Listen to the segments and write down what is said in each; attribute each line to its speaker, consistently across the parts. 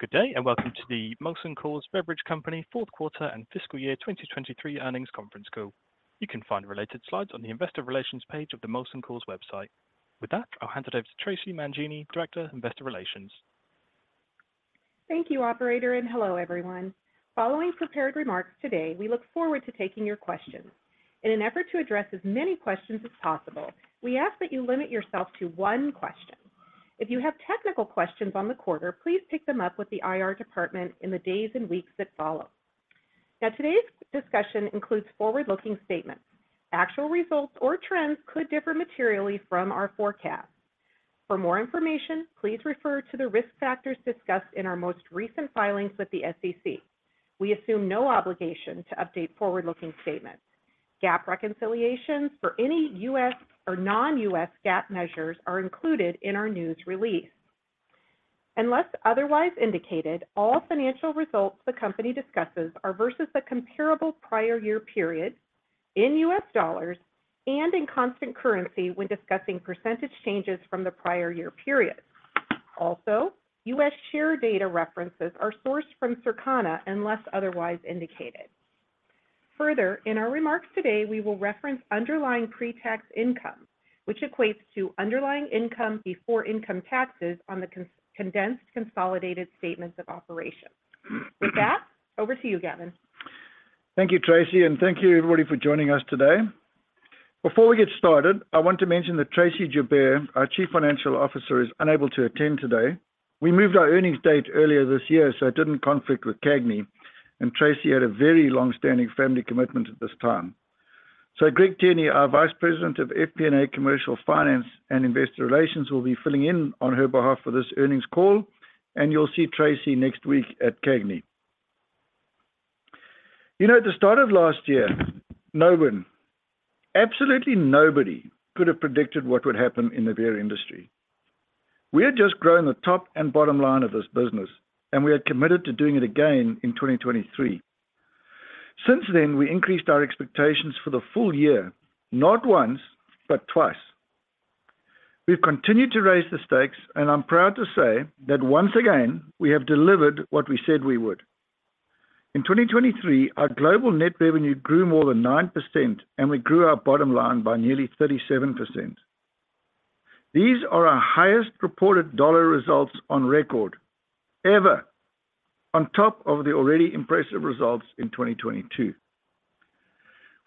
Speaker 1: Good day and welcome to the Molson Coors Beverage Company Q4 and Fiscal Year 2023 Earnings Conference Call. You can find related slides on the Investor Relations page of the Molson Coors website. With that, I'll hand it over to Traci Mangini, Director of Investor Relations.
Speaker 2: Thank you, Operator, and hello, everyone. Following prepared remarks today, we look forward to taking your questions. In an effort to address as many questions as possible, we ask that you limit yourself to one question. If you have technical questions on the quarter, please pick them up with the IR department in the days and weeks that follow. Now, today's discussion includes forward-looking statements. Actual results or trends could differ materially from our forecast. For more information, please refer to the risk factors discussed in our most recent filings with the SEC. We assume no obligation to update forward-looking statements. GAAP reconciliations for any U.S. or non-U.S. GAAP measures are included in our news release. Unless otherwise indicated, all financial results the company discusses are versus the comparable prior year period in U.S. dollars and in constant currency when discussing percentage changes from the prior year period. Also, U.S. share data references are sourced from Circana unless otherwise indicated. Further, in our remarks today, we will reference underlying pretax income, which equates to underlying income before income taxes on the condensed consolidated statements of operations. With that, over to you, Gavin.
Speaker 3: Thank you, Traci, and thank you, everybody, for joining us today. Before we get started, I want to mention that Tracey Joubert, our Chief Financial Officer, is unable to attend today. We moved our earnings date earlier this year, so it didn't conflict with CAGNY, and Tracey had a very longstanding family commitment at this time. So Greg Tierney, our Vice President of FP&A Commercial Finance and Investor Relations, will be filling in on her behalf for this earnings call, and you'll see Tracey next week at CAGNY. You know, at the start of last year, no one, absolutely nobody, could have predicted what would happen in the beer industry. We had just grown the top and bottom line of this business, and we had committed to doing it again in 2023. Since then, we increased our expectations for the full year, not once, but twice. We've continued to raise the stakes, and I'm proud to say that once again, we have delivered what we said we would. In 2023, our global net revenue grew more than 9%, and we grew our bottom line by nearly 37%. These are our highest reported dollar results on record ever, on top of the already impressive results in 2022.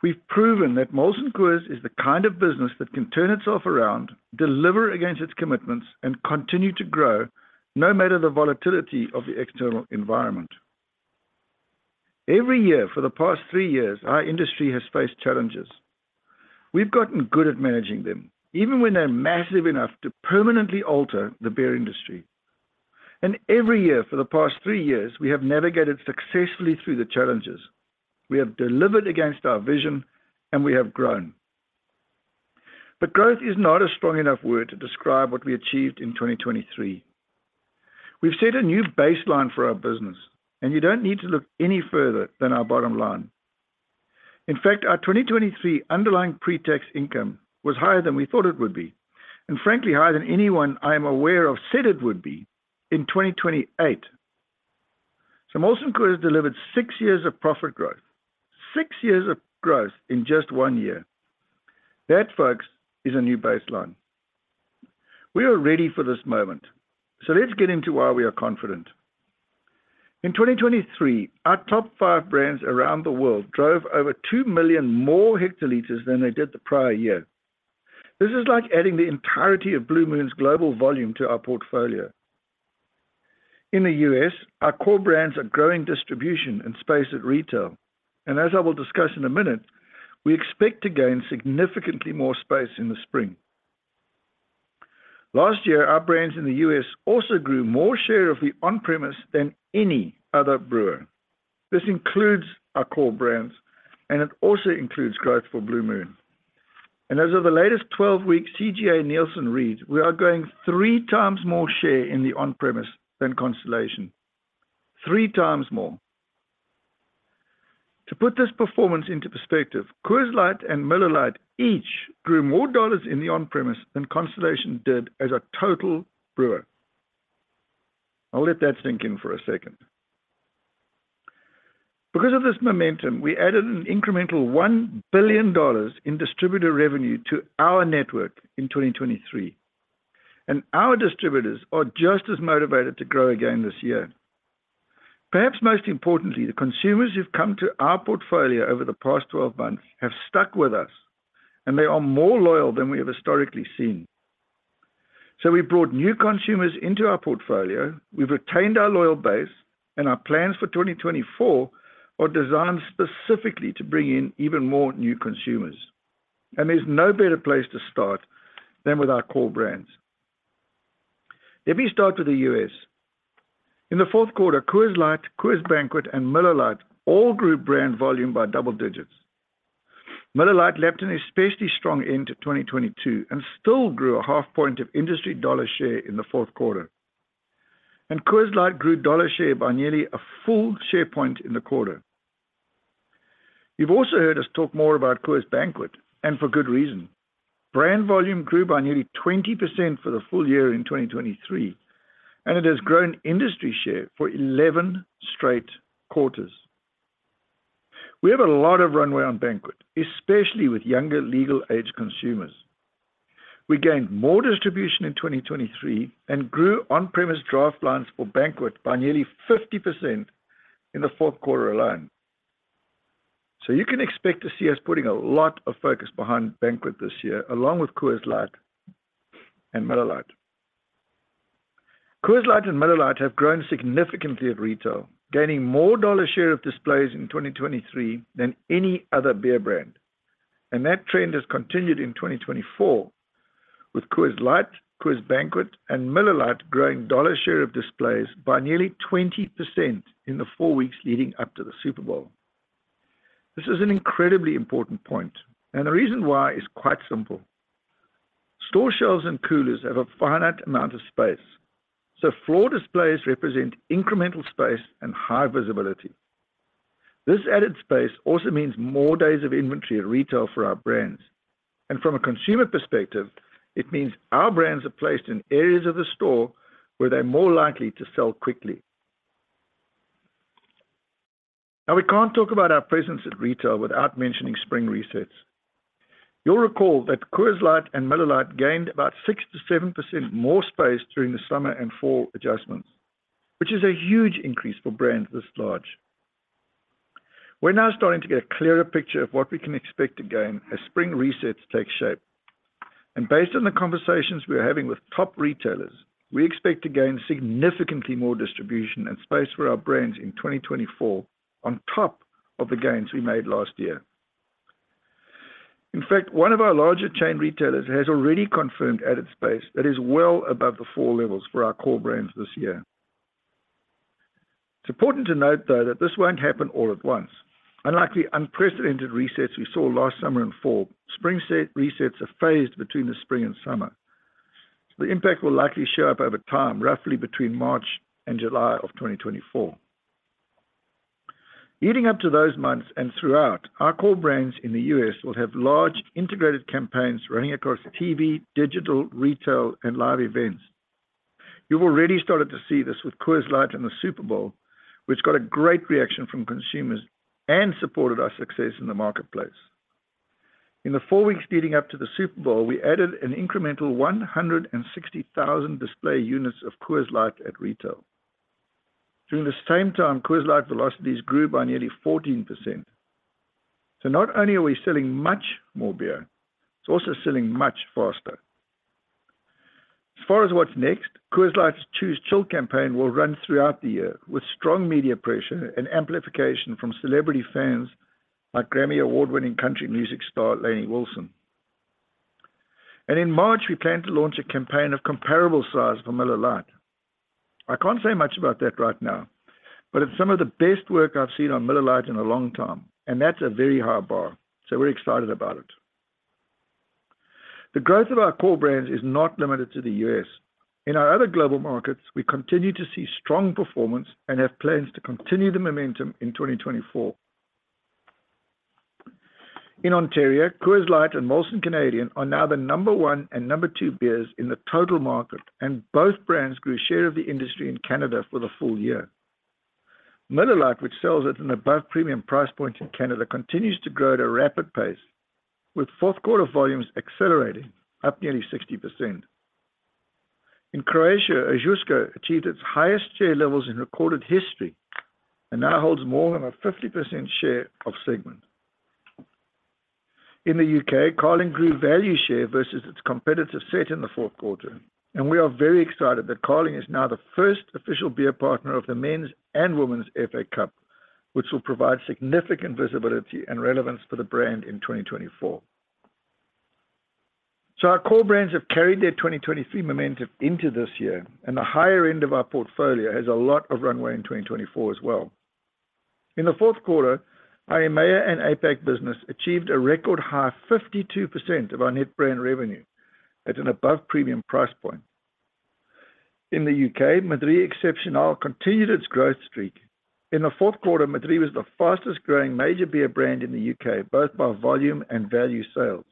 Speaker 3: We've proven that Molson Coors is the kind of business that can turn itself around, deliver against its commitments, and continue to grow no matter the volatility of the external environment. Every year for the past three years, our industry has faced challenges. We've gotten good at managing them, even when they're massive enough to permanently alter the beer industry. And every year for the past three years, we have navigated successfully through the challenges. We have delivered against our vision, and we have grown. But growth is not a strong enough word to describe what we achieved in 2023. We've set a new baseline for our business, and you don't need to look any further than our bottom line. In fact, our 2023 underlying pretax income was higher than we thought it would be, and frankly, higher than anyone I am aware of said it would be in 2028. So Molson Coors delivered six years of profit growth, six years of growth in just one year. That, folks, is a new baseline. We are ready for this moment, so let's get into why we are confident. In 2023, our top five brands around the world drove over 2 million more hectoliters than they did the prior year. This is like adding the entirety of Blue Moon's global volume to our portfolio. In the U.S., our core brands are growing distribution and space at retail, and as I will discuss in a minute, we expect to gain significantly more space in the spring. Last year, our brands in the U.S. also grew more share of the on-premise than any other brewer. This includes our core brands, and it also includes growth for Blue Moon. And as of the latest 12-week CGA Nielsen read, we are growing three times more share in the on-premise than Constellation. Three times more. To put this performance into perspective, Coors Light and Miller Lite each grew more dollars in the on-premise than Constellation did as a total brewer. I'll let that sink in for a second. Because of this momentum, we added an incremental $1 billion in distributor revenue to our network in 2023, and our distributors are just as motivated to grow again this year. Perhaps most importantly, the consumers who've come to our portfolio over the past 12 months have stuck with us, and they are more loyal than we have historically seen. So we brought new consumers into our portfolio, we've retained our loyal base, and our plans for 2024 are designed specifically to bring in even more new consumers. And there's no better place to start than with our core brands. Let me start with the U.S. In the Q4, Coors Light, Coors Banquet, and Miller Lite all grew brand volume by double digits. Miller Lite had an especially strong end to 2023 and still grew 0.5 point of industry dollar share in the Q4. And Coors Light grew dollar share by nearly 1 share point in the quarter. You've also heard us talk more about Coors Banquet, and for good reason. Brand volume grew by nearly 20% for the full year in 2023, and it has grown industry share for 11 straight quarters. We have a lot of runway on Banquet, especially with younger legal-age consumers. We gained more distribution in 2023 and grew on-premise draft lines for Banquet by nearly 50% in the Q4 alone. You can expect to see us putting a lot of focus behind Banquet this year, along with Coors Light and Miller Lite. Coors Light and Miller Lite have grown significantly at retail, gaining more dollar share of displays in 2023 than any other beer brand. That trend has continued in 2024, with Coors Light, Coors Banquet, and Miller Lite growing dollar share of displays by nearly 20% in the four weeks leading up to the Super Bowl. This is an incredibly important point, and the reason why is quite simple. Store shelves and coolers have a finite amount of space, so floor displays represent incremental space and high visibility. This added space also means more days of inventory at retail for our brands. From a consumer perspective, it means our brands are placed in areas of the store where they're more likely to sell quickly. Now, we can't talk about our presence at retail without mentioning spring resets. You'll recall that Coors Light and Miller Lite gained about 6%-7% more space during the summer and fall adjustments, which is a huge increase for brands this large. We're now starting to get a clearer picture of what we can expect to gain as spring resets take shape. Based on the conversations we are having with top retailers, we expect to gain significantly more distribution and space for our brands in 2024 on top of the gains we made last year. In fact, one of our larger chain retailers has already confirmed added space that is well above the fall levels for our core brands this year. It's important to note, though, that this won't happen all at once. Unlike the unprecedented resets we saw last summer and fall, spring resets are phased between the spring and summer. The impact will likely show up over time, roughly between March and July of 2024. Heading up to those months and throughout, our core brands in the U.S. will have large integrated campaigns running across TV, digital, retail, and live events. You've already started to see this with Coors Light and the Super Bowl, which got a great reaction from consumers and supported our success in the marketplace. In the four weeks leading up to the Super Bowl, we added an incremental 160,000 display units of Coors Light at retail. During the same time, Coors Light velocities grew by nearly 14%. So not only are we selling much more beer, it's also selling much faster. As far as what's next, Coors Light's Choose Chill campaign will run throughout the year with strong media pressure and amplification from celebrity fans like GRAMMY Award-winning country music star Lainey Wilson. And in March, we plan to launch a campaign of comparable size for Miller Lite. I can't say much about that right now, but it's some of the best work I've seen on Miller Lite in a long time, and that's a very high bar. So we're excited about it. The growth of our core brands is not limited to the U.S. In our other global markets, we continue to see strong performance and have plans to continue the momentum in 2024. In Ontario, Coors Light and Molson Canadian are now the number one and number two beers in the total market, and both brands grew share of the industry in Canada for the full year. Miller Lite, which sells at an above-premium price point in Canada, continues to grow at a rapid pace, with fourth-quarter volumes accelerating up nearly 60%. In Croatia, Ožujsko achieved its highest share levels in recorded history and now holds more than a 50% share of segment. In the UK, Carling grew value share versus its competitive set in the Q4, and we are very excited that Carling is now the first official beer partner of the Men's and Women's FA Cup, which will provide significant visibility and relevance for the brand in 2024. Our core brands have carried their 2023 momentum into this year, and the higher end of our portfolio has a lot of runway in 2024 as well. In the Q4, our EMEA and APAC business achieved a record high 52% of our net brand revenue at an above-premium price point. In the UK, Madrí Excepcional continued its growth streak. In the Q4, Madrí Excepcional was the fastest-growing major beer brand in the UK, both by volume and value sales.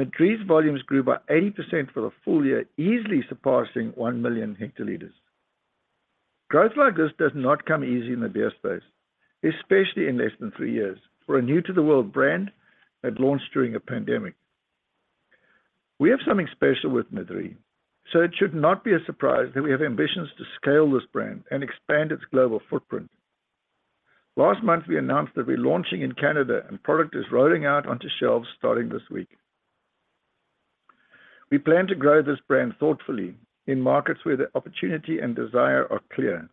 Speaker 3: Madrí Excepcional's volumes grew by 80% for the full year, easily surpassing 1 million hectoliters. Growth like this does not come easy in the beer space, especially in less than three years for a new-to-the-world brand that launched during a pandemic. We have something special with Madrí, so it should not be a surprise that we have ambitions to scale this brand and expand its global footprint. Last month, we announced that we're launching in Canada, and product is rolling out onto shelves starting this week. We plan to grow this brand thoughtfully in markets where the opportunity and desire are clear.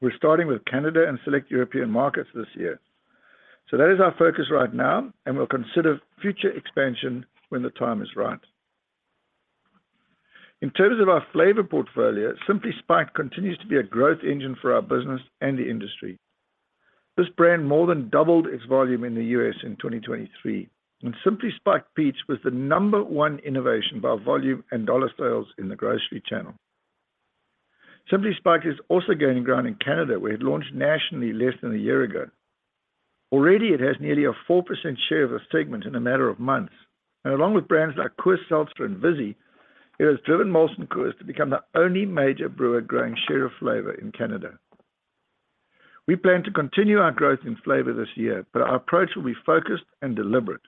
Speaker 3: We're starting with Canada and select European markets this year. So that is our focus right now, and we'll consider future expansion when the time is right. In terms of our flavour portfolio, Simply Spiked continues to be a growth engine for our business and the industry. This brand more than doubled its volume in the U.S. in 2023, and Simply Spiked Peach was the number one innovation by volume and dollar sales in the grocery channel. Simply Spiked is also gaining ground in Canada, where it launched nationally less than a year ago. Already, it has nearly a 4% share of the segment in a matter of months, and along with brands like Coors Seltzer and Vizzy, it has driven Molson Coors to become the only major brewer growing share of flavor in Canada. We plan to continue our growth in flavor this year, but our approach will be focused and deliberate.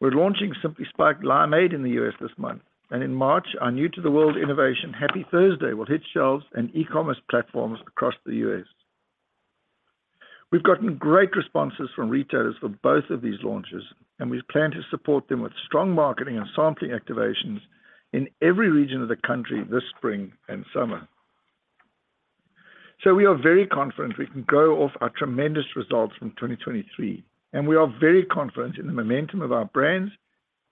Speaker 3: We're launching Simply Spiked Limeade in the U.S. this month, and in March, our new-to-the-world innovation, Happy Thursday, will hit shelves and e-commerce platforms across the U.S. We've gotten great responses from retailers for both of these launches, and we plan to support them with strong marketing and sampling activations in every region of the country this spring and summer. So we are very confident we can go off our tremendous results from 2023, and we are very confident in the momentum of our brands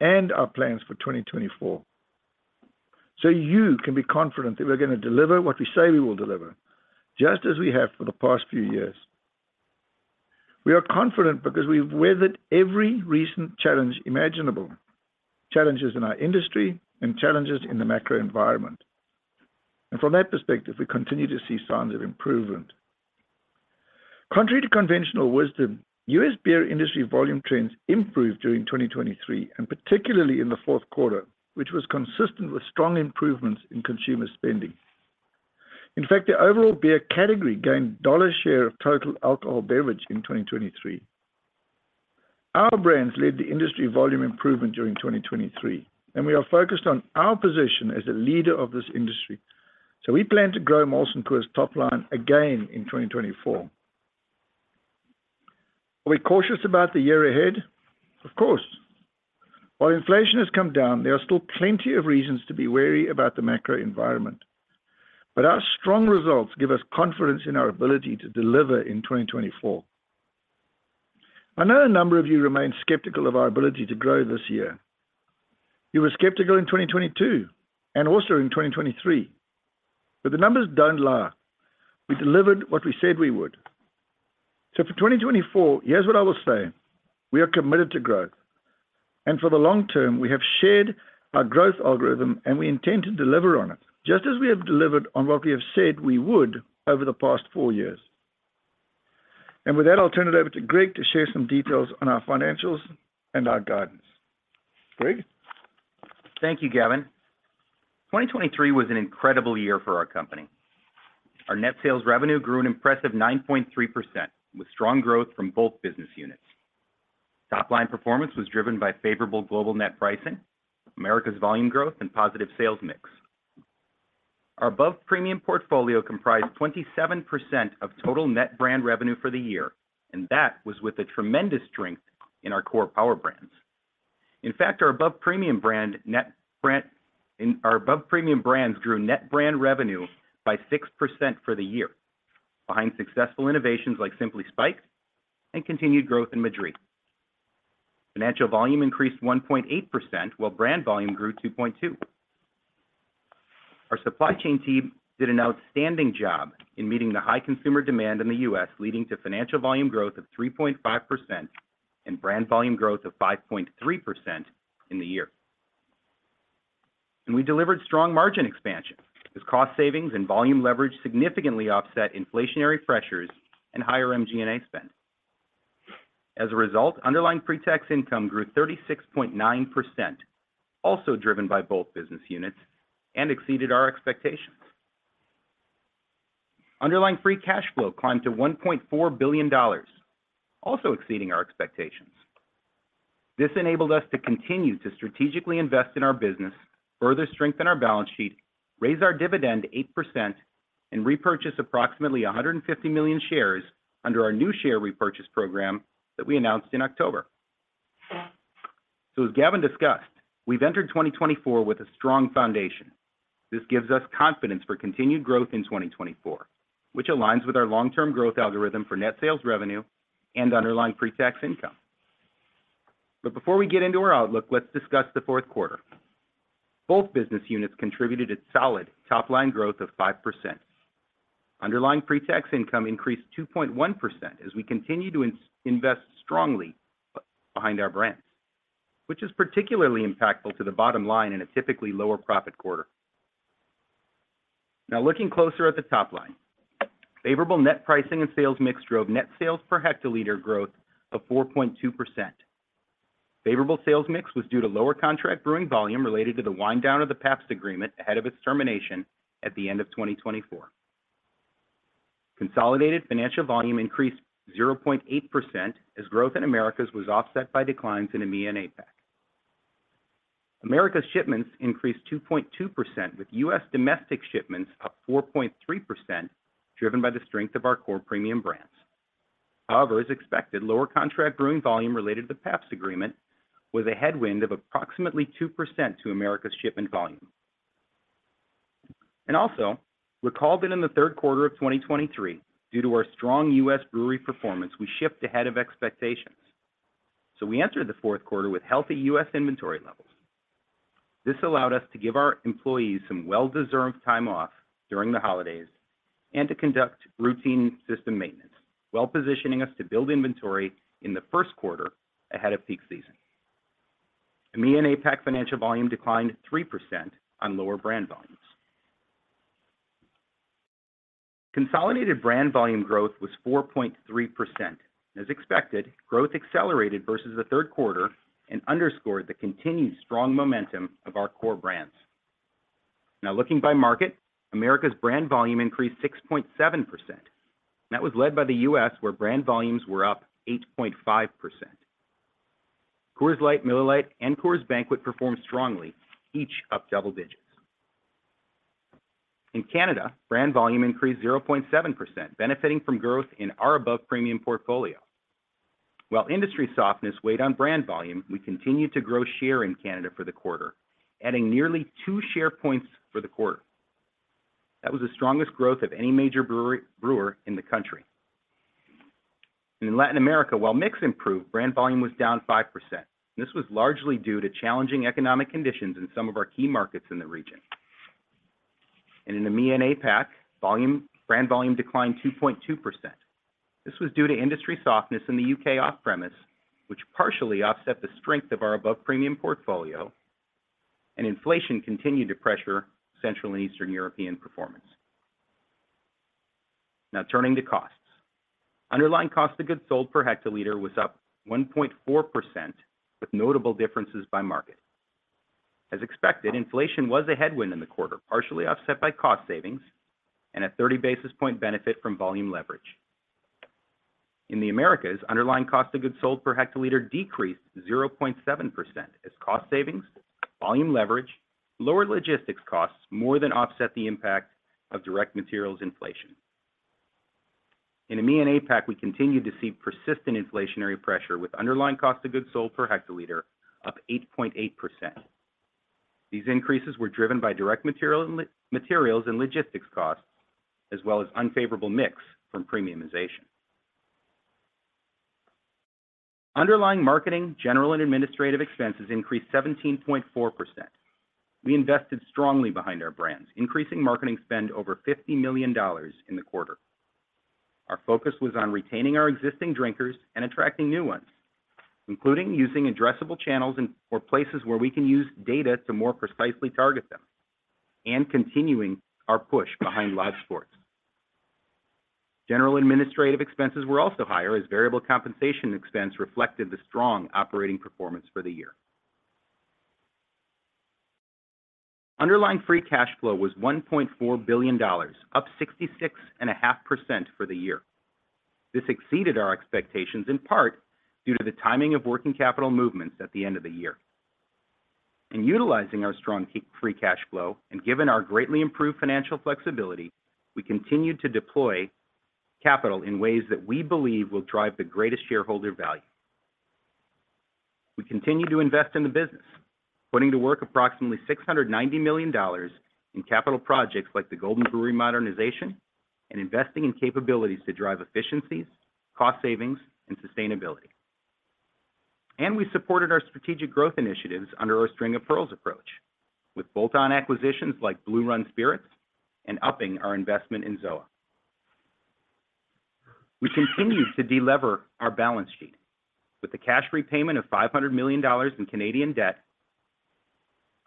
Speaker 3: and our plans for 2024. So you can be confident that we're going to deliver what we say we will deliver, just as we have for the past few years. We are confident because we've weathered every recent challenge imaginable, challenges in our industry, and challenges in the macro environment. And from that perspective, we continue to see signs of improvement. Contrary to conventional wisdom, U.S. beer industry volume trends improved during 2023, and particularly in the Q4, which was consistent with strong improvements in consumer spending. In fact, the overall beer category gained dollar share of total alcohol beverage in 2023. Our brands led the industry volume improvement during 2023, and we are focused on our position as a leader of this industry. So we plan to grow Molson Coors' top line again in 2024. Are we cautious about the year ahead? Of course. While inflation has come down, there are still plenty of reasons to be wary about the macro environment. But our strong results give us confidence in our ability to deliver in 2024. I know a number of you remain skeptical of our ability to grow this year. You were skeptical in 2022 and also in 2023. But the numbers don't lie. We delivered what we said we would. So for 2024, here's what I will say. We are committed to growth. For the long term, we have shared our growth algorithm, and we intend to deliver on it, just as we have delivered on what we have said we would over the past four years. With that, I'll turn it over to Greg to share some details on our financials and our guidance. Greg?
Speaker 4: Thank you, Gavin. 2023 was an incredible year for our company. Our net sales revenue grew an impressive 9.3%, with strong growth from both business units. Top-line performance was driven by favorable global net pricing, Americas volume growth, and positive sales mix. Our above-premium portfolio comprised 27% of total net brand revenue for the year, and that was with a tremendous strength in our core power brands. In fact, our above-premium brands grew net brand revenue by 6% for the year, behind successful innovations like Simply Spiked and continued growth in Madrí. Financial volume increased 1.8%, while brand volume grew 2.2%. Our supply chain team did an outstanding job in meeting the high consumer demand in the U.S., leading to financial volume growth of 3.5% and brand volume growth of 5.3% in the year. We delivered strong margin expansion, as cost savings and volume leverage significantly offset inflationary pressures and higher MG&A spend. As a result, underlying pre-tax income grew 36.9%, also driven by both business units, and exceeded our expectations. Underlying free cash flow climbed to $1.4 billion, also exceeding our expectations. This enabled us to continue to strategically invest in our business, further strengthen our balance sheet, raise our dividend 8%, and repurchase approximately 150 million shares under our new share repurchase program that we announced in October. So as Gavin discussed, we've entered 2024 with a strong foundation. This gives us confidence for continued growth in 2024, which aligns with our long-term growth algorithm for net sales revenue and underlying pre-tax income. Before we get into our outlook, let's discuss the Q4. Both business units contributed a solid top-line growth of 5%. Underlying pre-tax income increased 2.1% as we continue to invest strongly behind our brands, which is particularly impactful to the bottom line in a typically lower-profit quarter. Now, looking closer at the top line, favorable net pricing and sales mix drove net sales per hectoliter growth of 4.2%. Favorable sales mix was due to lower contract brewing volume related to the wind-down of the Pabst agreement ahead of its termination at the end of 2024. Consolidated financial volume increased 0.8% as growth in Americas was offset by declines in EMEA and APAC. Americas shipments increased 2.2%, with U.S. domestic shipments up 4.3%, driven by the strength of our core premium brands. However, as expected, lower contract brewing volume related to the Pabst agreement was a headwind of approximately 2% to Americas shipment volume. Also, recall that in the Q3 of 2023, due to our strong U.S. brewery performance, we shipped ahead of expectations. So we entered the Q4 with healthy U.S. inventory levels. This allowed us to give our employees some well-deserved time off during the holidays and to conduct routine system maintenance, well-positioning us to build inventory in the Q1 ahead of peak season. EMEA and APAC financial volume declined 3% on lower brand volumes. Consolidated brand volume growth was 4.3%. As expected, growth accelerated versus the Q3 and underscored the continued strong momentum of our core brands. Now, looking by market, Americas brand volume increased 6.7%. That was led by the U.S., where brand volumes were up 8.5%. Coors Light, Miller Lite, and Coors Banquet performed strongly, each up double digits. In Canada, brand volume increased 0.7%, benefiting from growth in our above-premium portfolio. While industry softness weighed on brand volume, we continued to grow share in Canada for the quarter, adding nearly 2 share points for the quarter. That was the strongest growth of any major brewer in the country. In Latin America, while mix improved, brand volume was down 5%. This was largely due to challenging economic conditions in some of our key markets in the region. In EMEA and APAC, brand volume declined 2.2%. This was due to industry softness in the UK off-premise, which partially offset the strength of our above-premium portfolio. Inflation continued to pressure Central and Eastern European performance. Now, turning to costs. Underlying cost of goods sold per hectoliter was up 1.4%, with notable differences by market. As expected, inflation was a headwind in the quarter, partially offset by cost savings and a 30 basis point benefit from volume leverage. In the Americas, underlying cost of goods sold per hectoliter decreased 0.7% as cost savings, volume leverage, lower logistics costs more than offset the impact of direct materials inflation. In EMEA and APAC, we continued to see persistent inflationary pressure, with underlying cost of goods sold per hectoliter up 8.8%. These increases were driven by direct materials and logistics costs, as well as unfavorable mix from premiumization. Underlying marketing, general, and administrative expenses increased 17.4%. We invested strongly behind our brands, increasing marketing spend over $50 million in the quarter. Our focus was on retaining our existing drinkers and attracting new ones, including using addressable channels or places where we can use data to more precisely target them, and continuing our push behind live sports. General administrative expenses were also higher, as variable compensation expense reflected the strong operating performance for the year. Underlying free cash flow was $1.4 billion, up 66.5% for the year. This exceeded our expectations, in part due to the timing of working capital movements at the end of the year. Utilizing our strong free cash flow and given our greatly improved financial flexibility, we continued to deploy capital in ways that we believe will drive the greatest shareholder value. We continue to invest in the business, putting to work approximately $690 million in capital projects like the Golden Brewery modernization and investing in capabilities to drive efficiencies, cost savings, and sustainability. We supported our strategic growth initiatives under our string of pearls approach, with bolt-on acquisitions like Blue Run Spirits and upping our investment in ZOA. We continued to delever our balance sheet, with the cash repayment of $500 million in Canadian debt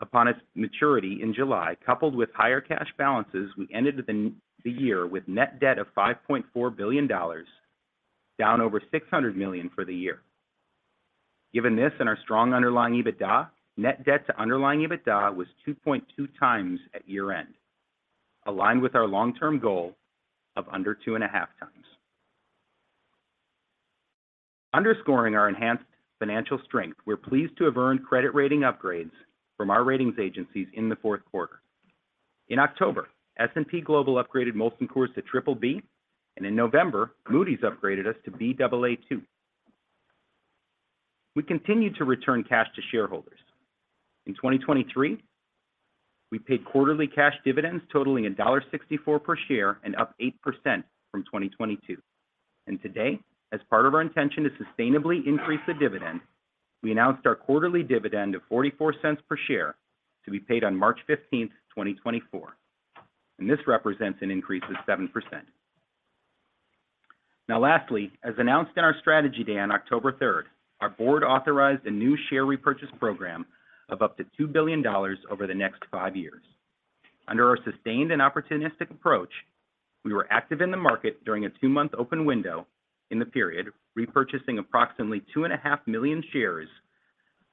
Speaker 4: upon its maturity in July, coupled with higher cash balances. We ended the year with net debt of $5.4 billion, down over $600 million for the year. Given this and our strong underlying EBITDA, net debt to underlying EBITDA was 2.2 times at year-end, aligned with our long-term goal of under two and a half times. Underscoring our enhanced financial strength, we're pleased to have earned credit rating upgrades from our ratings agencies in the Q4. In October, S&P Global upgraded Molson Coors to BBB, and in November, Moody's upgraded us to Baa2. We continued to return cash to shareholders. In 2023, we paid quarterly cash dividends totaling $1.64 per share and up 8% from 2022. Today, as part of our intention to sustainably increase the dividend, we announced our quarterly dividend of $0.44 per share to be paid on March 15, 2024. This represents an increase of 7%. Now, lastly, as announced in our strategy day on October 3rd, our board authorized a new share repurchase program of up to $2 billion over the next five years. Under our sustained and opportunistic approach, we were active in the market during a two-month open window in the period, repurchasing approximately 2.5 million shares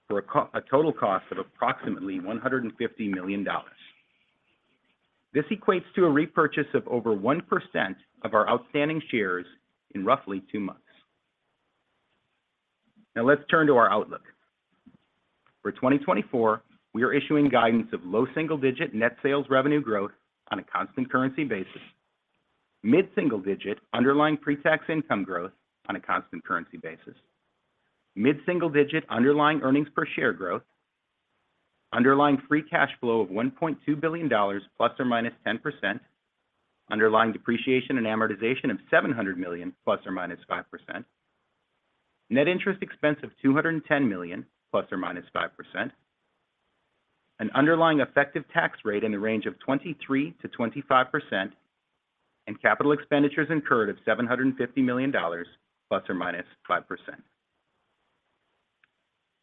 Speaker 4: for a total cost of approximately $150 million. This equates to a repurchase of over 1% of our outstanding shares in roughly two months. Now, let's turn to our outlook. For 2024, we are issuing guidance of low single-digit net sales revenue growth on a constant currency basis, mid-single-digit underlying pre-tax income growth on a constant currency basis, mid-single-digit underlying earnings per share growth, underlying free cash flow of $1.2 billion ±10%, underlying depreciation and amortization of $700 million ±5%, net interest expense of $210 million ±5%, an underlying effective tax rate in the range of 23%-25%, and capital expenditures incurred of $750 million ±5%.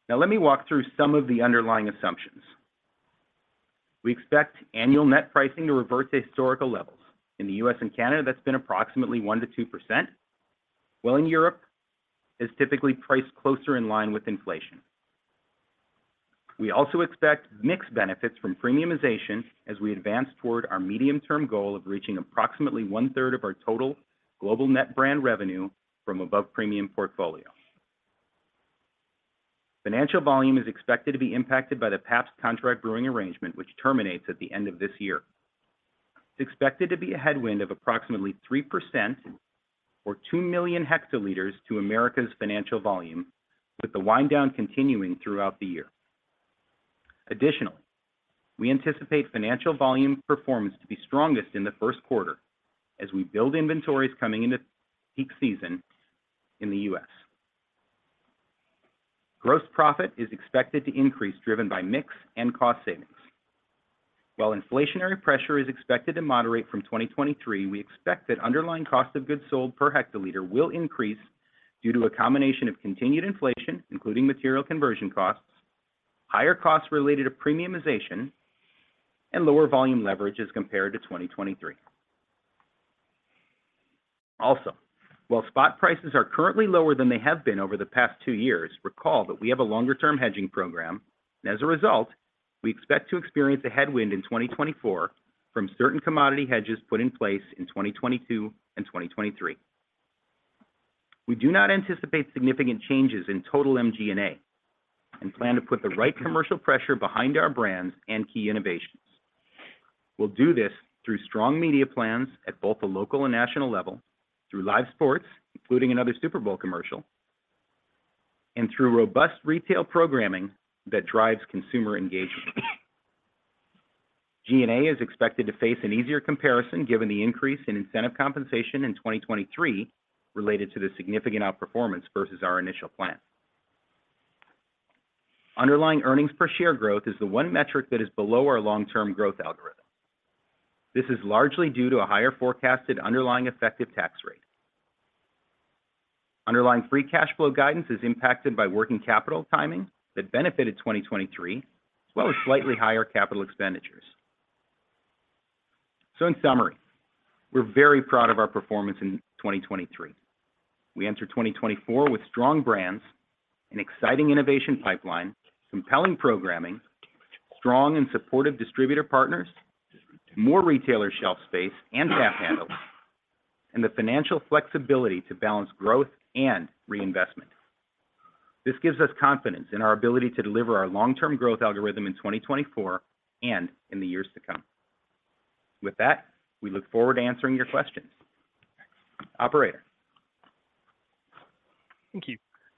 Speaker 4: Now, let me walk through some of the underlying assumptions. We expect annual net pricing to revert to historical levels. In the U.S. and Canada, that's been approximately 1%-2%. Well, in Europe, it's typically priced closer in line with inflation. We also expect mixed benefits from premiumization as we advance toward our medium-term goal of reaching approximately one-third of our total global net brand revenue from above-premium portfolio. Financial volume is expected to be impacted by the Pabst contract brewing arrangement, which terminates at the end of this year. It's expected to be a headwind of approximately 3% or 2 million hectoliters to America's financial volume, with the wind-down continuing throughout the year. Additionally, we anticipate financial volume performance to be strongest in the Q1 as we build inventories coming into peak season in the U.S. Gross profit is expected to increase, driven by mix and cost savings. While inflationary pressure is expected to moderate from 2023, we expect that underlying cost of goods sold per hectoliter will increase due to a combination of continued inflation, including material conversion costs, higher costs related to premiumization, and lower volume leverage as compared to 2023. Also, while spot prices are currently lower than they have been over the past two years, recall that we have a longer-term hedging program. As a result, we expect to experience a headwind in 2024 from certain commodity hedges put in place in 2022 and 2023. We do not anticipate significant changes in total MG&A and plan to put the right commercial pressure behind our brands and key innovations. We'll do this through strong media plans at both the local and national level, through live sports, including another Super Bowl commercial, and through robust retail programming that drives consumer engagement. G&A is expected to face an easier comparison given the increase in incentive compensation in 2023 related to the significant outperformance versus our initial plan. Underlying earnings per share growth is the one metric that is below our long-term growth algorithm. This is largely due to a higher forecasted underlying effective tax rate. Underlying free cash flow guidance is impacted by working capital timing that benefited 2023, as well as slightly higher capital expenditures. So in summary, we're very proud of our performance in 2023. We enter 2024 with strong brands, an exciting innovation pipeline, compelling programming, strong and supportive distributor partners, more retailer shelf space and tap handles, and the financial flexibility to balance growth and reinvestment. This gives us confidence in our ability to deliver our long-term growth algorithm in 2024 and in the years to come. With that, we look forward to answering your questions. Operator.
Speaker 1: Thank you.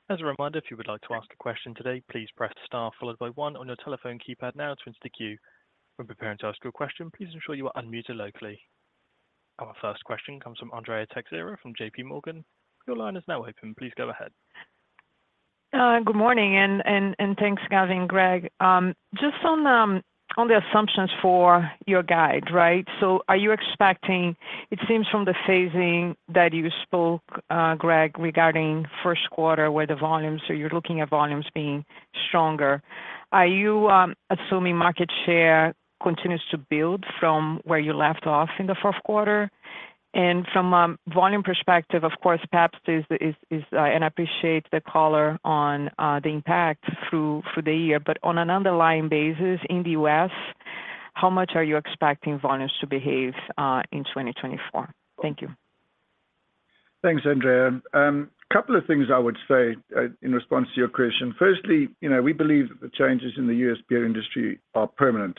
Speaker 1: As a reminder, if you would like to ask a question today, please press star followed by one on your telephone keypad now to join the queue. When preparing to ask your question, please ensure you are unmuted locally. Our first question comes from Andrea Teixeira from JPMorgan. Your line is now open. Please go ahead.
Speaker 5: Good morning. Thanks, Gavin and Greg. Just on the assumptions for your guide, right? So are you expecting it seems from the phasing that you spoke, Greg, regarding Q1 where the volumes or you're looking at volumes being stronger. Are you assuming market share continues to build from where you left off in the Q4? And from a volume perspective, of course, Pabst is and I appreciate the caller on the impact through the year. But on an underlying basis in the U.S., how much are you expecting volumes to behave in 2024? Thank you.
Speaker 3: Thanks, Andrea. A couple of things I would say in response to your question. Firstly, we believe that the changes in the U.S. beer industry are permanent.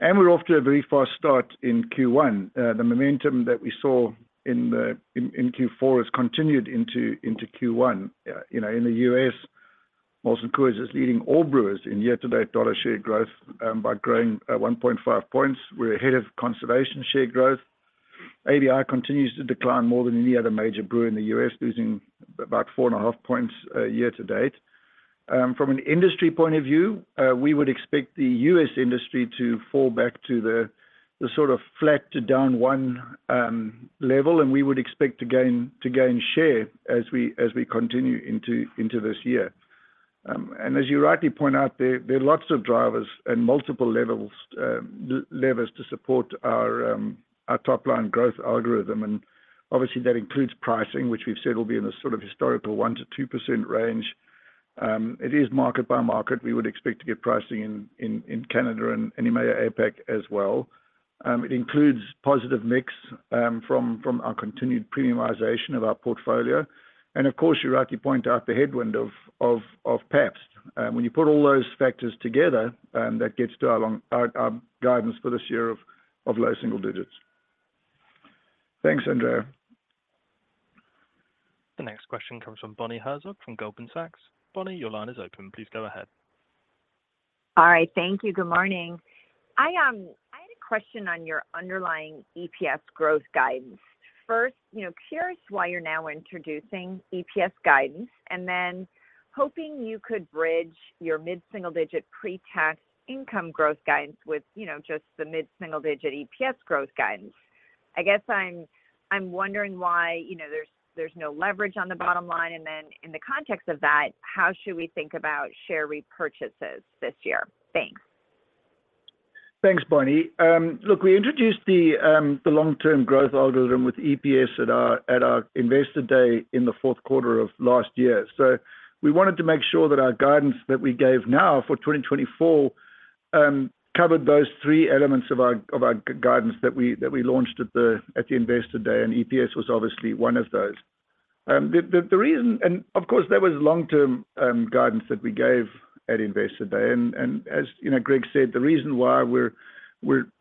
Speaker 3: We're off to a very fast start in Q1. The momentum that we saw in Q4 has continued into Q1. In the U.S., Molson Coors is leading all brewers in year-to-date dollar share growth by growing 1.5 points. We're ahead of Constellation share growth. ABI continues to decline more than any other major brewer in the U.S., losing about 4.5 points year-to-date. From an industry point of view, we would expect the U.S. industry to fall back to the sort of flat to down 1 level. We would expect to gain share as we continue into this year. As you rightly point out, there are lots of drivers and multiple levers to support our top-line growth algorithm. Obviously, that includes pricing, which we've said will be in the sort of historical 1%-2% range. It is market by market. We would expect to get pricing in Canada and EMEA APAC as well. It includes positive mix from our continued premiumization of our portfolio. And of course, you rightly point out the headwind of Pabst. When you put all those factors together, that gets to our guidance for this year of low single digits. Thanks, Andrea.
Speaker 1: The next question comes from Bonnie Herzog from Goldman Sachs. Bonnie, your line is open. Please go ahead.
Speaker 6: All right. Thank you. Good morning. I had a question on your underlying EPS growth guidance. First, curious why you're now introducing EPS guidance and then hoping you could bridge your mid-single digit pre-tax income growth guidance with just the mid-single digit EPS growth guidance. I guess I'm wondering why there's no leverage on the bottom line. And then in the context of that, how should we think about share repurchases this year? Thanks.
Speaker 3: Thanks, Bonnie. Look, we introduced the long-term growth algorithm with EPS at our investor day in the Q4 of last year. We wanted to make sure that our guidance that we gave now for 2024 covered those three elements of our guidance that we launched at the investor day. EPS was obviously one of those. Of course, that was long-term guidance that we gave at investor day. As Greg said, the reason why we're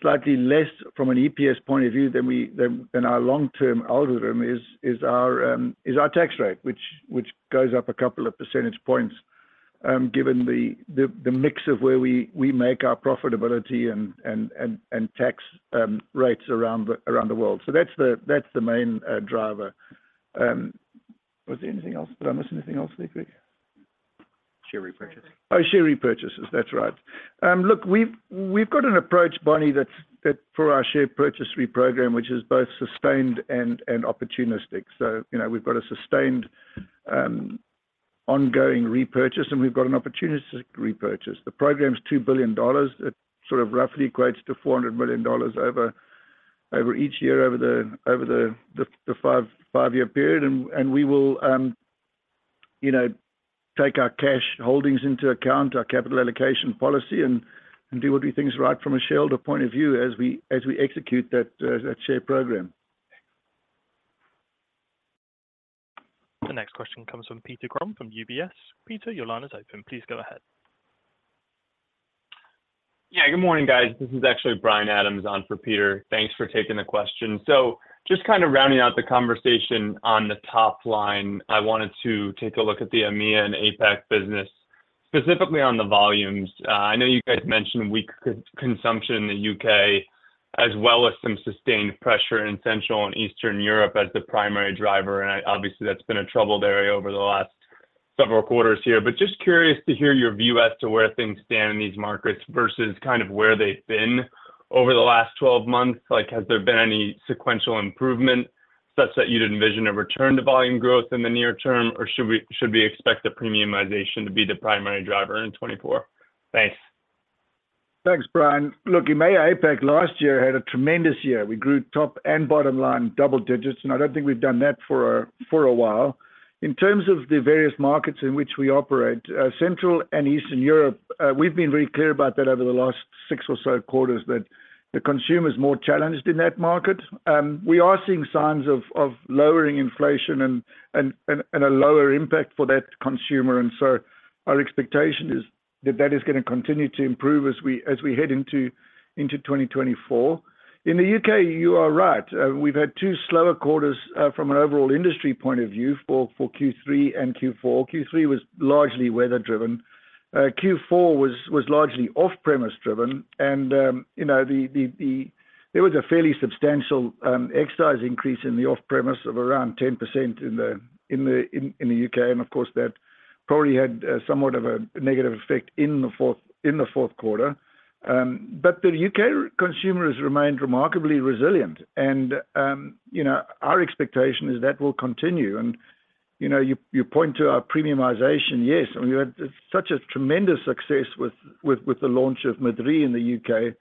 Speaker 3: slightly less from an EPS point of view than our long-term algorithm is our tax rate, which goes up a couple of percentage points given the mix of where we make our profitability and tax rates around the world. That's the main driver. Was there anything else? Did I miss anything else, Lee, Greg?
Speaker 1: Share repurchase.
Speaker 3: Oh, share repurchases. That's right. Look, we've got an approach, Bonnie, for our share purchase program, which is both sustained and opportunistic. So we've got a sustained ongoing repurchase, and we've got an opportunistic repurchase. The program's $2 billion. It sort of roughly equates to $400 million over each year over the five-year period. And we will take our cash holdings into account, our capital allocation policy, and do what we think is right from a shareholder point of view as we execute that share program.
Speaker 1: The next question comes from Peter Grom from UBS. Peter, your line is open. Please go ahead.
Speaker 7: Yeah. Good morning, guys. This is actually Bryan Adams on for Peter. Thanks for taking the question. So just kind of rounding out the conversation on the top line, I wanted to take a look at the EMEA and APAC business, specifically on the volumes. I know you guys mentioned weak consumption in the UK, as well as some sustained pressure in Central and Eastern European as the primary driver. And obviously, that's been a troubled area over the last several quarters here. But just curious to hear your view as to where things stand in these markets versus kind of where they've been over the last 12 months. Has there been any sequential improvement such that you'd envision a return to volume growth in the near term, or should we expect the premiumization to be the primary driver in 2024? Thanks.
Speaker 3: Thanks, Bryan. Look, EMEA APAC last year had a tremendous year. We grew top and bottom line double digits. And I don't think we've done that for a while. In terms of the various markets in which we operate, Central and Eastern European, we've been very clear about that over the last six or so quarters, that the consumer is more challenged in that market. We are seeing signs of lowering inflation and a lower impact for that consumer. And so our expectation is that that is going to continue to improve as we head into 2024. In the U.K., you are right. We've had two slower quarters from an overall industry point of view for Q3 and Q4. Q3 was largely weather-driven. Q4 was largely off-premise driven. And there was a fairly substantial excise increase in the off-premise of around 10% in the U.K. Of course, that probably had somewhat of a negative effect in the Q4. But the UK consumer has remained remarkably resilient. Our expectation is that will continue. You point to our premiumization. Yes. We had such a tremendous success with the launch of Madrí in the UK.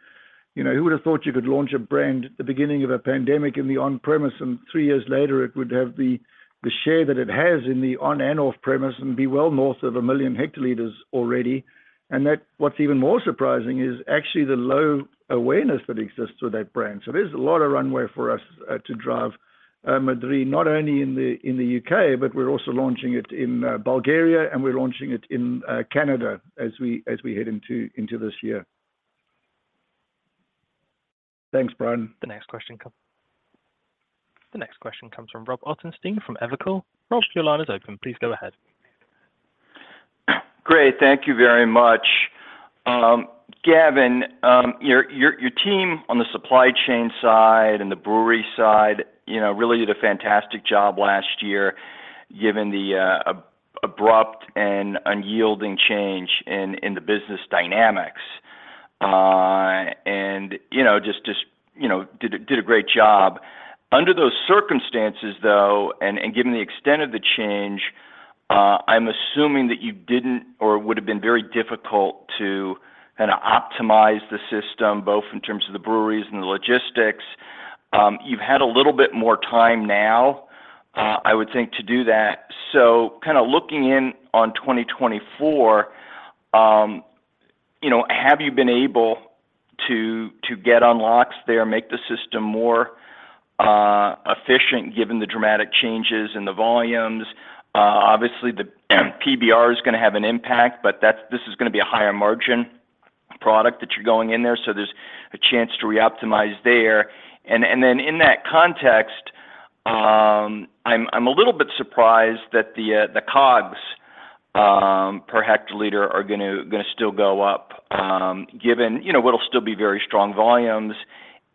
Speaker 3: Who would have thought you could launch a brand at the beginning of a pandemic in the on-premise and three years later, it would have the share that it has in the on- and off-premise and be well north of 1 million hectoliters already? What's even more surprising is actually the low awareness that exists with that brand. So there's a lot of runway for us to drive Madrí, not only in the UK, but we're also launching it in Bulgaria, and we're launching it in Canada as we head into this year. Thanks, Brian.
Speaker 1: The next question comes from Rob Ottenstein from Evercore. Rob, your line is open. Please go ahead.
Speaker 8: Great. Thank you very much. Gavin, your team on the supply chain side and the brewery side, really did a fantastic job last year given the abrupt and unyielding change in the business dynamics. And just did a great job. Under those circumstances, though, and given the extent of the change, I'm assuming that you didn't or it would have been very difficult to kind of optimize the system, both in terms of the breweries and the logistics. You've had a little bit more time now, I would think, to do that. So kind of looking in on 2024, have you been able to get unlocks there, make the system more efficient given the dramatic changes in the volumes? Obviously, the PBR is going to have an impact, but this is going to be a higher margin product that you're going in there. So there's a chance to reoptimize there. Then in that context, I'm a little bit surprised that the COGS per hectoliter are going to still go up given it'll still be very strong volumes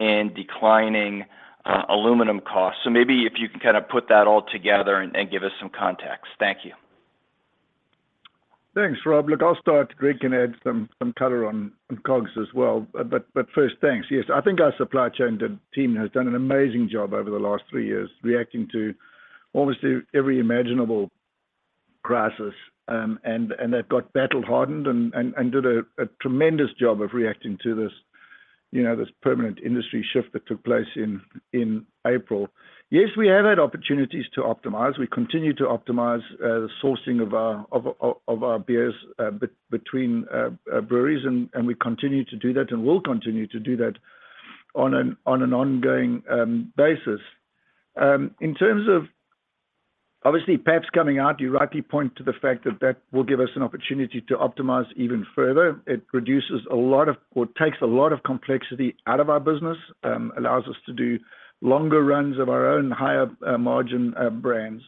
Speaker 8: and declining aluminum costs. Maybe if you can kind of put that all together and give us some context. Thank you.
Speaker 3: Thanks, Rob. Look, I'll start. Greg can add some color on COGS as well. But first, thanks. Yes. I think our supply chain team has done an amazing job over the last three years reacting to almost every imaginable crisis. And they've got battle-hardened and did a tremendous job of reacting to this permanent industry shift that took place in April. Yes, we have had opportunities to optimize. We continue to optimize the sourcing of our beers between breweries. And we continue to do that and will continue to do that on an ongoing basis. In terms of obviously, Pabst coming out, you rightly point to the fact that that will give us an opportunity to optimize even further. It reduces a lot of or takes a lot of complexity out of our business, allows us to do longer runs of our own higher-margin brands.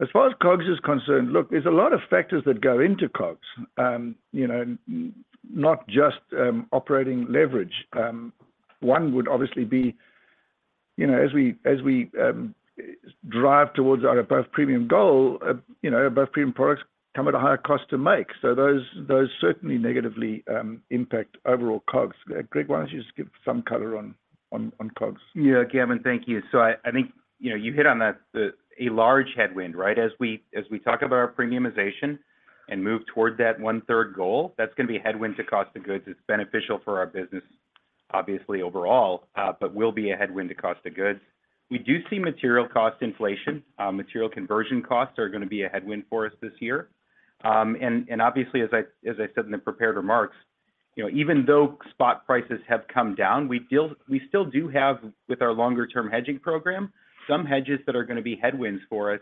Speaker 3: As far as COGS is concerned, look, there's a lot of factors that go into COGS, not just operating leverage. One would obviously be as we drive towards our above-premium goal, above-premium products come at a higher cost to make. So those certainly negatively impact overall COGS. Greg, why don't you just give some color on COGS?
Speaker 4: Yeah, Gavin, thank you. So I think you hit on that, a large headwind, right? As we talk about our premiumization and move toward that one-third goal, that's going to be a headwind to cost of goods. It's beneficial for our business, obviously, overall, but will be a headwind to cost of goods. We do see material cost inflation. Material conversion costs are going to be a headwind for us this year. And obviously, as I said in the prepared remarks, even though spot prices have come down, we still do have, with our longer-term hedging program, some hedges that are going to be headwinds for us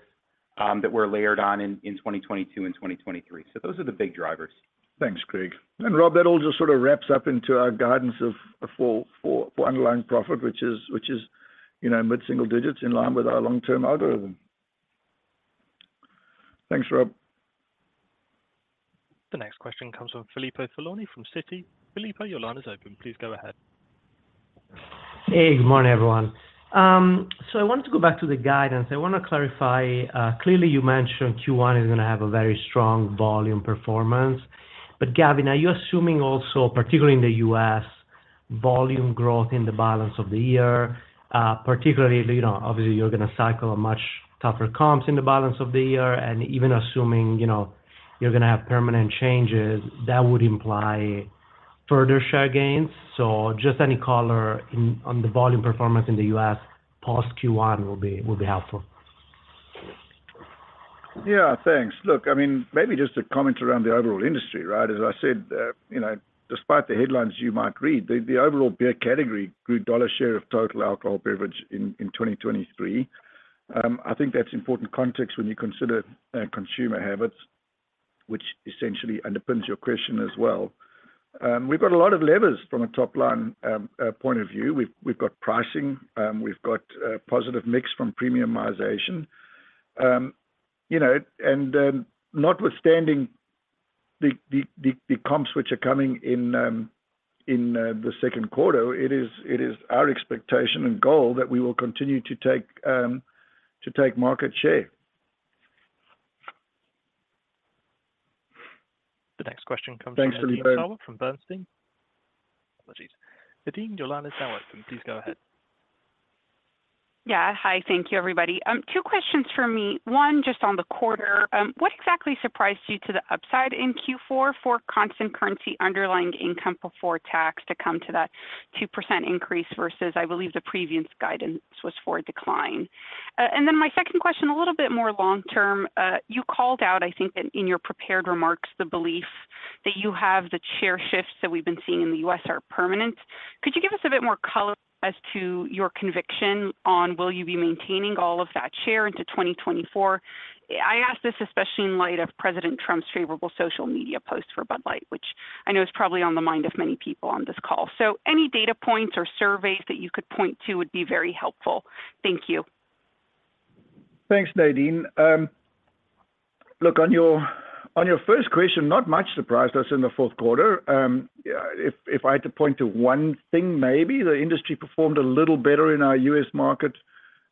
Speaker 4: that were layered on in 2022 and 2023. So those are the big drivers.
Speaker 3: Thanks, Greg. And Rob, that all just sort of wraps up into our guidance for underlying profit, which is mid-single digits in line with our long-term algorithm. Thanks, Rob.
Speaker 1: The next question comes from Filippo Falorni from Citi. Filippo, your line is open. Please go ahead.
Speaker 9: Hey, good morning, everyone. So I wanted to go back to the guidance. I want to clarify. Clearly, you mentioned Q1 is going to have a very strong volume performance. But Gavin, are you assuming also, particularly in the U.S., volume growth in the balance of the year? Particularly, obviously, you're going to cycle much tougher comps in the balance of the year. And even assuming you're going to have permanent changes, that would imply further share gains. So just any color on the volume performance in the U.S. post-Q1 will be helpful.
Speaker 3: Yeah, thanks. Look, I mean, maybe just a comment around the overall industry, right? As I said, despite the headlines you might read, the overall beer category grew dollar share of total alcohol beverage in 2023. I think that's important context when you consider consumer habits, which essentially underpins your question as well. We've got a lot of levers from a top-line point of view. We've got pricing. We've got positive mix from premiumization. And notwithstanding the comps which are coming in the Q2, it is our expectation and goal that we will continue to take market share.
Speaker 1: The next question comes from Nadine Sarwat from Bernstein. Apologies. Nadine, your line is now open. Please go ahead.
Speaker 10: Yeah. Hi. Thank you, everybody. Two questions for me. One, just on the quarter, what exactly surprised you to the upside in Q4 for constant currency underlying income before tax to come to that 2% increase versus, I believe, the previous guidance was for a decline? And then my second question, a little bit more long-term, you called out, I think, in your prepared remarks, the belief that you have the share shifts that we've been seeing in the U.S. are permanent. Could you give us a bit more color as to your conviction on will you be maintaining all of that share into 2024? I ask this especially in light of President Trump's favorable social media post for Bud Light, which I know is probably on the mind of many people on this call. So any data points or surveys that you could point to would be very helpful. Thank you.
Speaker 3: Thanks, Nadine. Look, on your first question, not much surprised us in the Q4. If I had to point to one thing, maybe, the industry performed a little better in our US market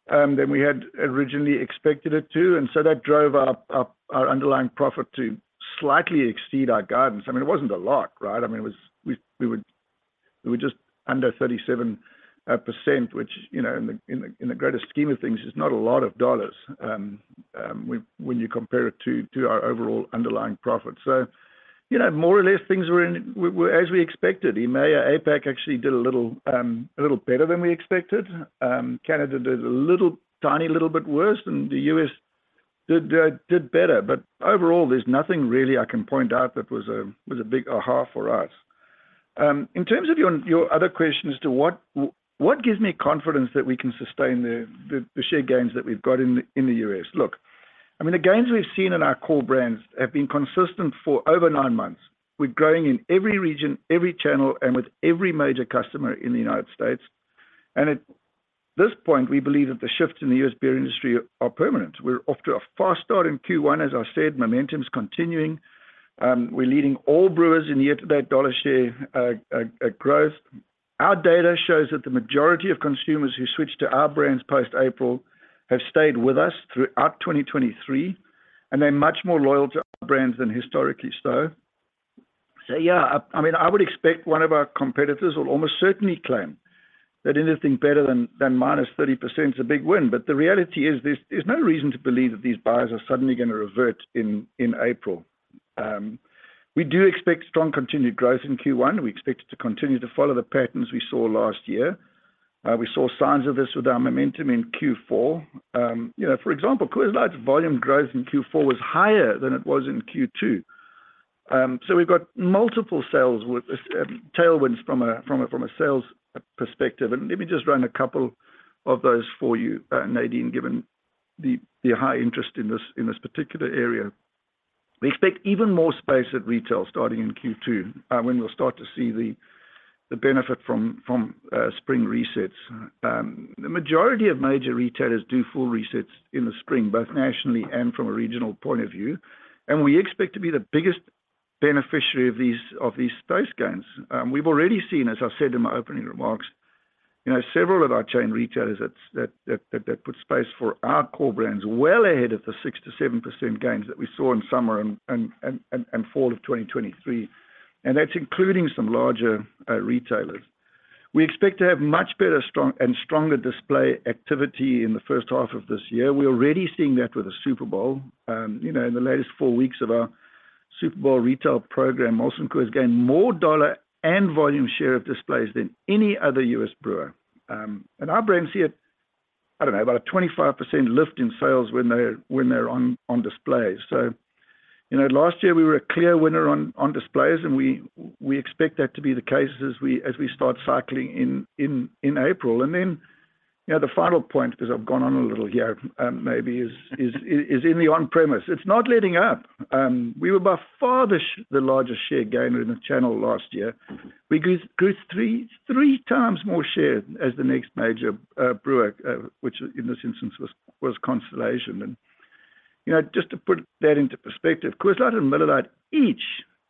Speaker 3: than we had originally expected it to. And so that drove our underlying profit to slightly exceed our guidance. I mean, it wasn't a lot, right? I mean, we were just under 37%, which in the greatest scheme of things, is not a lot of dollars when you compare it to our overall underlying profit. So more or less, things were as we expected. EMEA, APAC actually did a little better than we expected. Canada did a little tiny little bit worse, and the US did better. But overall, there's nothing really I can point out that was a big aha for us. In terms of your other question as to what gives me confidence that we can sustain the share gains that we've got in the U.S. Look, I mean, the gains we've seen in our core brands have been consistent for over nine months with growing in every region, every channel, and with every major customer in the United States. And at this point, we believe that the shifts in the U.S. beer industry are permanent. We're off to a fast start in Q1, as I said. Momentum's continuing. We're leading all brewers in year-to-date dollar share growth. Our data shows that the majority of consumers who switched to our brands post-April have stayed with us throughout 2023, and they're much more loyal to our brands than historically so. So yeah, I mean, I would expect one of our competitors will almost certainly claim that anything better than -30% is a big win. But the reality is there's no reason to believe that these buyers are suddenly going to revert in April. We do expect strong continued growth in Q1. We expect it to continue to follow the patterns we saw last year. We saw signs of this with our momentum in Q4. For example, Coors Light's volume growth in Q4 was higher than it was in Q2. So we've got multiple sales tailwinds from a sales perspective. And let me just run a couple of those for you, Nadine, given the high interest in this particular area. We expect even more space at retail starting in Q2 when we'll start to see the benefit from spring resets. The majority of major retailers do full resets in the spring, both nationally and from a regional point of view. We expect to be the biggest beneficiary of these space gains. We've already seen, as I said in my opening remarks, several of our chain retailers that put space for our core brands well ahead of the 6%-7% gains that we saw in summer and fall of 2023. That's including some larger retailers. We expect to have much better and stronger display activity in the first half of this year. We're already seeing that with the Super Bowl. In the latest four weeks of our Super Bowl retail program, Molson Coors gained more dollar and volume share of displays than any other U.S. brewer. Our brands see it, I don't know, about a 25% lift in sales when they're on displays. So last year, we were a clear winner on displays. And we expect that to be the case as we start cycling in April. And then the final point, because I've gone on a little here, maybe, is in the on-premise. It's not letting up. We were by far the largest share gainer in the channel last year. We grew three times more share as the next major brewer, which in this instance was Constellation. And just to put that into perspective, Coors Light and Miller Lite each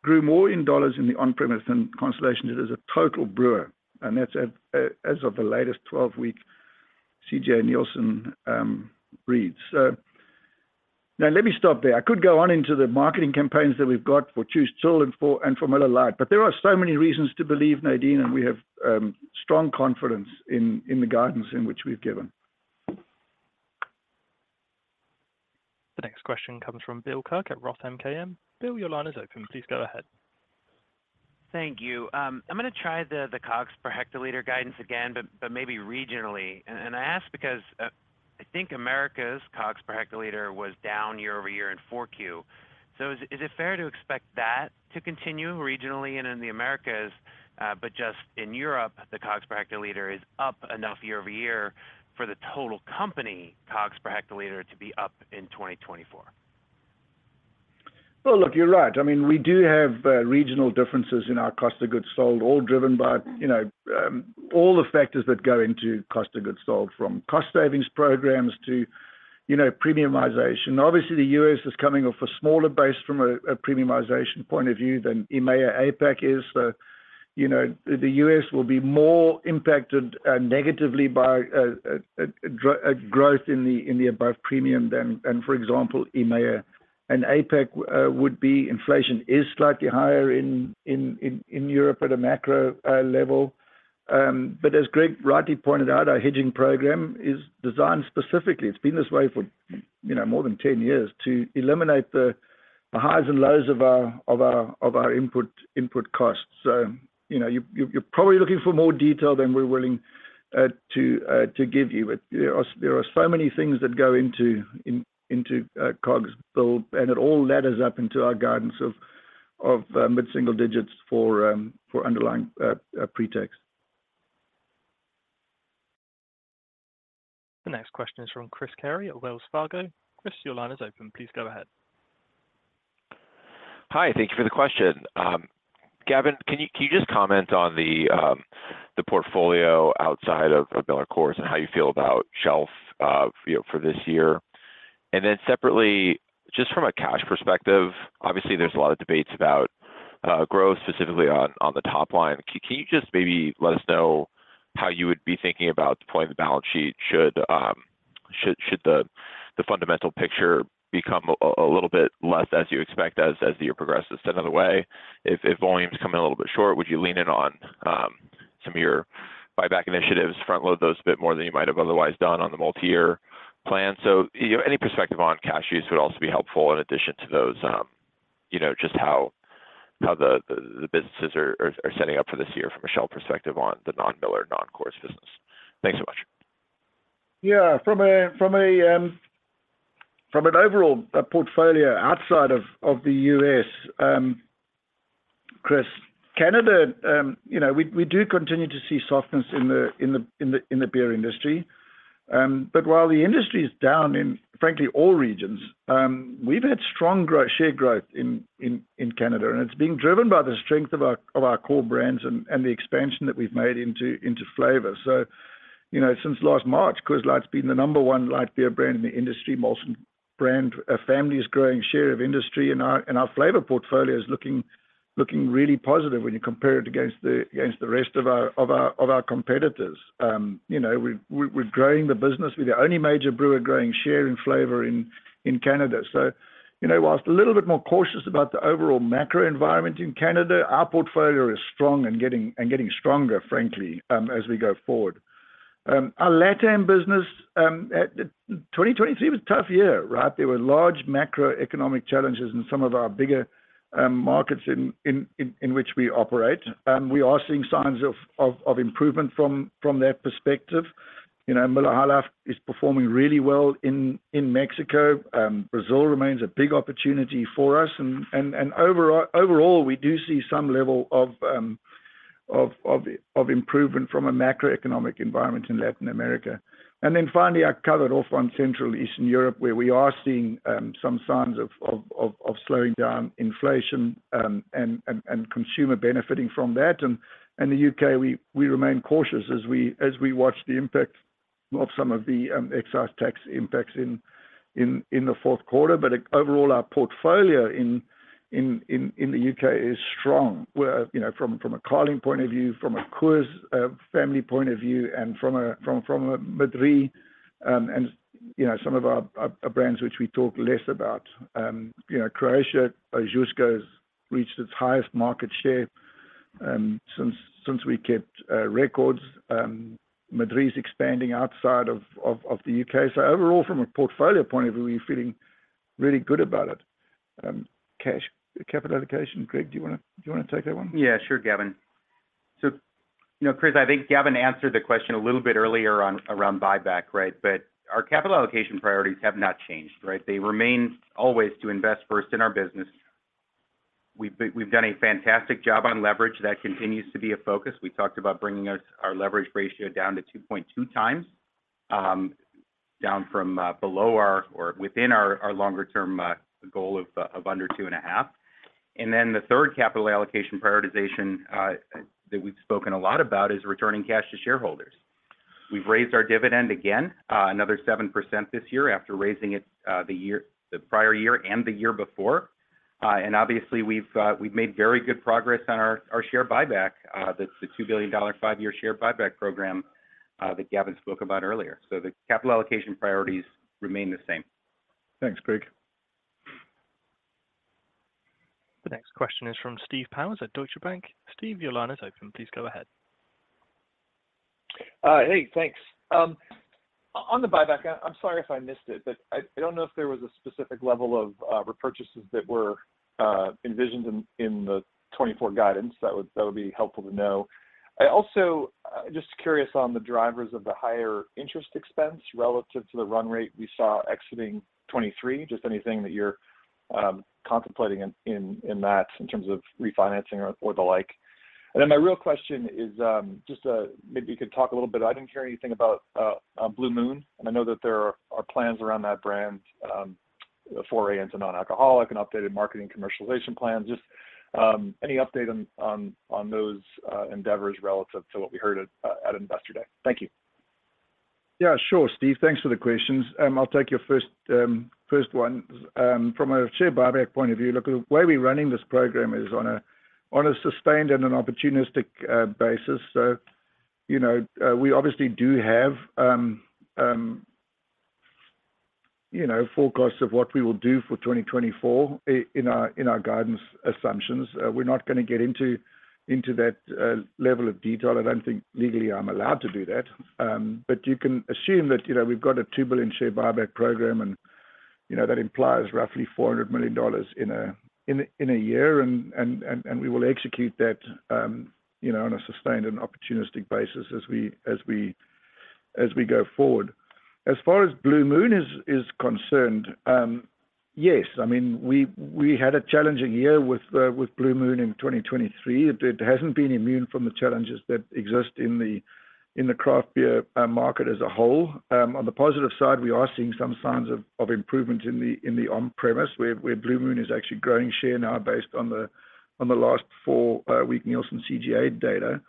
Speaker 3: grew more in dollars in the on-premise than Constellation did as a total brewer. And that's as of the latest 12-week CGA Nielsen reads. So now let me stop there. I could go on into the marketing campaigns that we've got for Choose Chill and for Miller Lite. There are so many reasons to believe, Nadine, and we have strong confidence in the guidance in which we've given.
Speaker 1: The next question comes from Bill Kirk at Roth MKM. Bill, your line is open. Please go ahead.
Speaker 11: Thank you. I'm going to try the COGS per hectoliter guidance again, but maybe regionally. And I ask because I think Americas' COGS per hectoliter was down year-over-year in 4Q. So is it fair to expect that to continue regionally and in the Americas, but just in Europe, the COGS per hectoliter is up enough year-over-year for the total company COGS per hectoliter to be up in 2024?
Speaker 3: Well, look, you're right. I mean, we do have regional differences in our cost of goods sold, all driven by all the factors that go into cost of goods sold, from cost savings programs to premiumization. Obviously, the U.S. is coming off a smaller base from a premiumization point of view than EMEA, APAC is. So the U.S. will be more impacted negatively by growth in the above premium than, for example, EMEA. And APAC would be inflation is slightly higher in Europe at a macro level. But as Greg rightly pointed out, our hedging program is designed specifically, it's been this way for more than 10 years to eliminate the highs and lows of our input costs. So you're probably looking for more detail than we're willing to give you. But there are so many things that go into COGS, Bill, and it all ladders up into our guidance of mid-single digits for underlying pre-tax.
Speaker 1: The next question is from Chris Carey at Wells Fargo. Chris, your line is open. Please go ahead.
Speaker 12: Hi. Thank you for the question. Gavin, can you just comment on the portfolio outside of Miller & Coors and how you feel about shelf for this year? And then separately, just from a cash perspective, obviously, there's a lot of debates about growth, specifically on the top line. Can you just maybe let us know how you would be thinking about deploying the balance sheet should the fundamental picture become a little bit less as you expect as the year progresses? So another way, if volumes come in a little bit short, would you lean in on some of your buyback initiatives, front-load those a bit more than you might have otherwise done on the multi-year plan? Any perspective on cash use would also be helpful in addition to those, just how the businesses are setting up for this year from a shelf perspective on the non-Miller, non-Coors business. Thanks so much.
Speaker 3: Yeah. From an overall portfolio outside of the US, Chris, Canada, we do continue to see softness in the beer industry. But while the industry is down in, frankly, all regions, we've had strong share growth in Canada. And it's being driven by the strength of our core brands and the expansion that we've made into flavor. So since last March, Coors Light's been the number one light beer brand in the industry, Molson Canadian's growing share of industry. And our flavor portfolio is looking really positive when you compare it against the rest of our competitors. We're growing the business. We're the only major brewer growing share in flavor in Canada. So whilst a little bit more cautious about the overall macro environment in Canada, our portfolio is strong and getting stronger, frankly, as we go forward. Our LATAM business, 2023 was a tough year, right? There were large macroeconomic challenges in some of our bigger markets in which we operate. We are seeing signs of improvement from that perspective. Miller Lite is performing really well in Mexico. Brazil remains a big opportunity for us. And overall, we do see some level of improvement from a macroeconomic environment in Latin America. And then finally, I covered off on Central and Eastern European, where we are seeing some signs of slowing down inflation and consumers benefiting from that. And in the U.K., we remain cautious as we watch the impact of some of the excise tax impacts in the Q4. But overall, our portfolio in the U.K. is strong, from a Carling point of view, from a Coors family point of view, and from a Madrí and some of our brands which we talk less about. Croatia, Ožujsko has reached its highest market share since we kept records. Madrí's expanding outside of the UK. So overall, from a portfolio point of view, we're feeling really good about it. Cash, capital allocation, Greg, do you want to take that one?
Speaker 4: Yeah, sure, Gavin. So Chris, I think Gavin answered the question a little bit earlier around buyback, right? But our capital allocation priorities have not changed, right? They remain always to invest first in our business. We've done a fantastic job on leverage. That continues to be a focus. We talked about bringing our leverage ratio down to 2.2 times, down from below our or within our longer-term goal of under 2.5. And then the third capital allocation prioritization that we've spoken a lot about is returning cash to shareholders. We've raised our dividend again, another 7% this year after raising it the prior year and the year before. And obviously, we've made very good progress on our share buyback, the $2 billion five-year share buyback program that Gavin spoke about earlier. So the capital allocation priorities remain the same.
Speaker 3: Thanks, Greg.
Speaker 1: The next question is from Steve Powers at Deutsche Bank. Steve, your line is open. Please go ahead.
Speaker 13: Hey, thanks. On the buyback, I'm sorry if I missed it, but I don't know if there was a specific level of repurchases that were envisioned in the 2024 guidance. That would be helpful to know. Also, just curious on the drivers of the higher interest expense relative to the run rate we saw exiting 2023, just anything that you're contemplating in that in terms of refinancing or the like. And then my real question is just maybe you could talk a little bit. I didn't hear anything about Blue Moon. And I know that there are plans around that brand, 4A and some non-alcoholic and updated marketing commercialization plans. Just any update on those endeavors relative to what we heard at Investor Day. Thank you.
Speaker 3: Yeah, sure, Steve. Thanks for the questions. I'll take your first one. From a share buyback point of view, look, the way we're running this program is on a sustained and an opportunistic basis. So we obviously do have forecasts of what we will do for 2024 in our guidance assumptions. We're not going to get into that level of detail. I don't think legally I'm allowed to do that. But you can assume that we've got a $2 billion share buyback program, and that implies roughly $400 million in a year. And we will execute that on a sustained and opportunistic basis as we go forward. As far as Blue Moon is concerned, yes. I mean, we had a challenging year with Blue Moon in 2023. It hasn't been immune from the challenges that exist in the craft beer market as a whole. On the positive side, we are seeing some signs of improvement in the on-premise, where Blue Moon is actually growing share now based on the last 4-week Nielsen CGA data.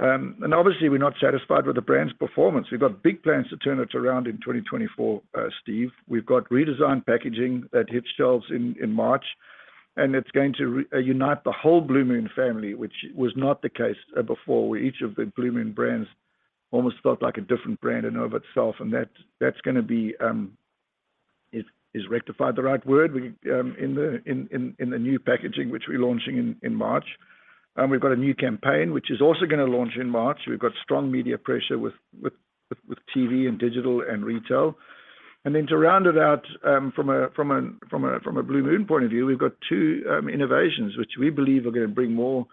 Speaker 3: Obviously, we're not satisfied with the brand's performance. We've got big plans to turn it around in 2024, Steve. We've got redesigned packaging that hit shelves in March. It's going to unite the whole Blue Moon family, which was not the case before, where each of the Blue Moon brands almost thought like a different brand in and of itself. That's going to be rectified, is rectified the right word, in the new packaging which we're launching in March. We've got a new campaign which is also going to launch in March. We've got strong media pressure with TV and digital and retail. And then to round it out, from a Blue Moon point of view, we've got two innovations which we believe are going to bring more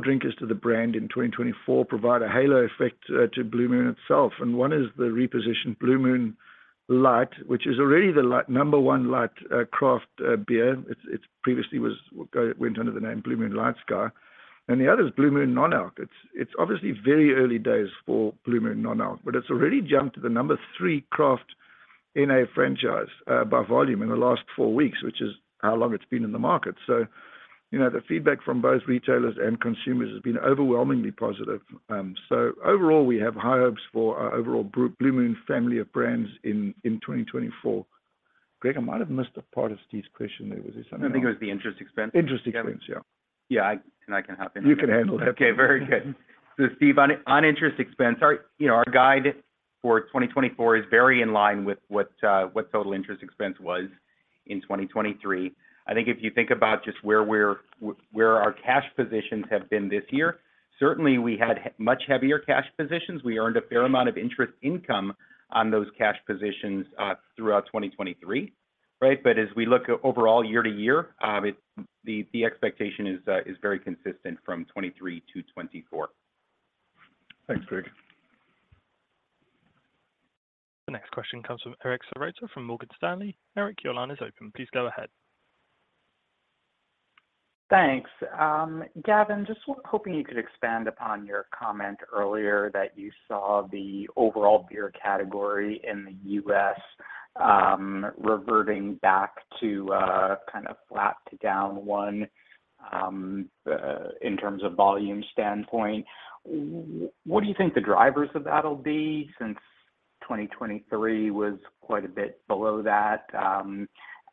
Speaker 3: drinkers to the brand in 2024, provide a halo effect to Blue Moon itself. And one is the repositioned Blue Moon Light, which is already the number one light craft beer. It previously went under the name Blue Moon LightSky. And the other is Blue Moon Non-Alc. It's obviously very early days for Blue Moon Non-Alc, but it's already jumped to the number three craft NA franchise by volume in the last four weeks, which is how long it's been in the market. So the feedback from both retailers and consumers has been overwhelmingly positive. So overall, we have high hopes for our overall Blue Moon family of brands in 2024. Greg, I might have missed a part of Steve's question there. Was there something?
Speaker 4: I think it was the interest expense.
Speaker 3: Interest expense, yeah.
Speaker 4: Yeah, and I can help handle that.
Speaker 3: You can handle that.
Speaker 4: Okay, very good. So Steve, on interest expense, our guide for 2024 is very in line with what total interest expense was in 2023. I think if you think about just where our cash positions have been this year, certainly, we had much heavier cash positions. We earned a fair amount of interest income on those cash positions throughout 2023, right? But as we look overall year to year, the expectation is very consistent from 2023 to 2024.
Speaker 3: Thanks, Greg.
Speaker 1: The next question comes from Eric Serotta from Morgan Stanley. Eric, your line is open. Please go ahead.
Speaker 14: Thanks. Gavin, just hoping you could expand upon your comment earlier that you saw the overall beer category in the U.S. reverting back to kind of flat to down 1% in terms of volume standpoint. What do you think the drivers of that will be since 2023 was quite a bit below that?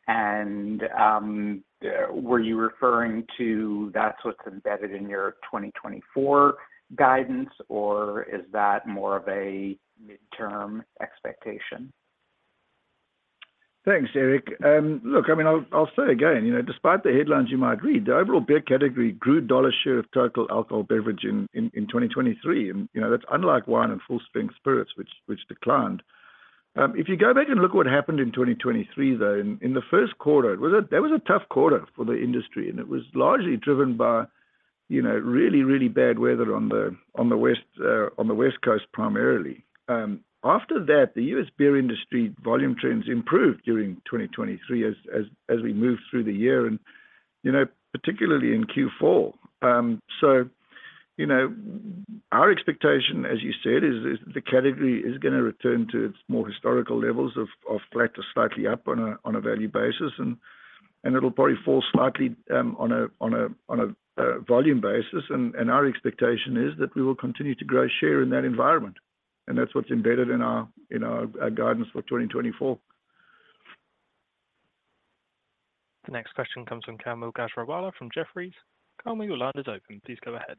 Speaker 14: And were you referring to that's what's embedded in your 2024 guidance, or is that more of a midterm expectation?
Speaker 3: Thanks, Eric. Look, I mean, I'll say again, despite the headlines you might read, the overall beer category grew dollar share of total alcohol beverage in 2023. And that's unlike wine and full-strength spirits, which declined. If you go back and look at what happened in 2023, though, in the Q1, that was a tough quarter for the industry. And it was largely driven by really, really bad weather on the West Coast primarily. After that, the US beer industry volume trends improved during 2023 as we moved through the year, and particularly in Q4. So our expectation, as you said, is the category is going to return to its more historical levels of flat to slightly up on a value basis. And it'll probably fall slightly on a volume basis. And our expectation is that we will continue to grow share in that environment. That's what's embedded in our guidance for 2024.
Speaker 1: The next question comes from Kaumil Gajrawala from Jefferies. Kaumil, your line is open. Please go ahead.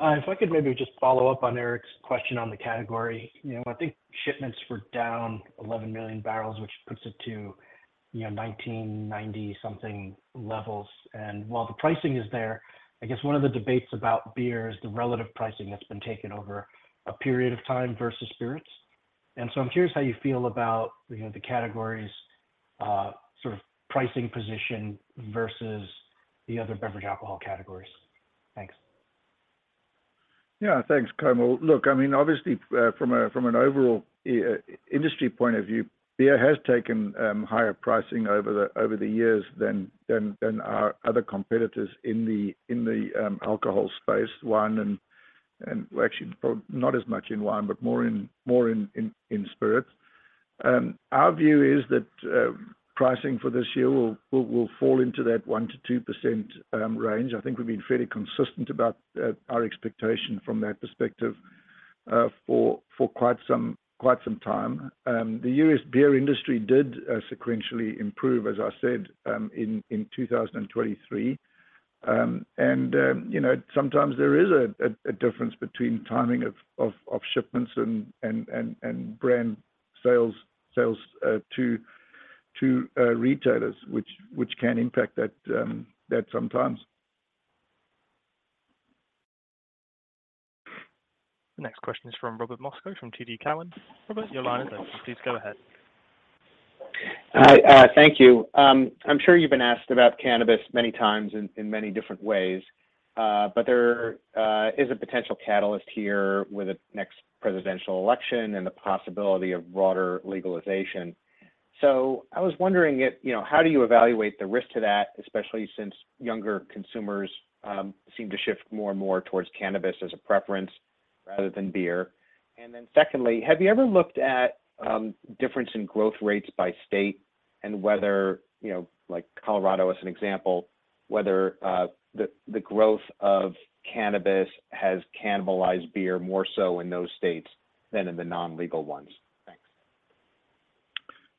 Speaker 15: If I could maybe just follow up on Eric's question on the category. I think shipments were down 11 million barrels, which puts it to 1990-something levels. And while the pricing is there, I guess one of the debates about beer is the relative pricing that's been taken over a period of time versus spirits. And so I'm curious how you feel about the categories' sort of pricing position versus the other beverage alcohol categories? Thanks.
Speaker 3: Yeah, thanks, Kaumil. Look, I mean, obviously, from an overall industry point of view, beer has taken higher pricing over the years than our other competitors in the alcohol space, wine, and actually not as much in wine, but more in spirits. Our view is that pricing for this year will fall into that 1%-2% range. I think we've been fairly consistent about our expectation from that perspective for quite some time. The U.S. beer industry did sequentially improve, as I said, in 2023. Sometimes there is a difference between timing of shipments and brand sales to retailers, which can impact that sometimes.
Speaker 1: The next question is from Robert Moskow from TD Cowen. Robert, your line is open. Please go ahead.
Speaker 16: Hi, thank you. I'm sure you've been asked about cannabis many times in many different ways. But there is a potential catalyst here with the next presidential election and the possibility of broader legalization. So I was wondering, how do you evaluate the risk to that, especially since younger consumers seem to shift more and more towards cannabis as a preference rather than beer? And then secondly, have you ever looked at the difference in growth rates by state and whether, like Colorado as an example, whether the growth of cannabis has cannibalized beer more so in those states than in the non-legal ones?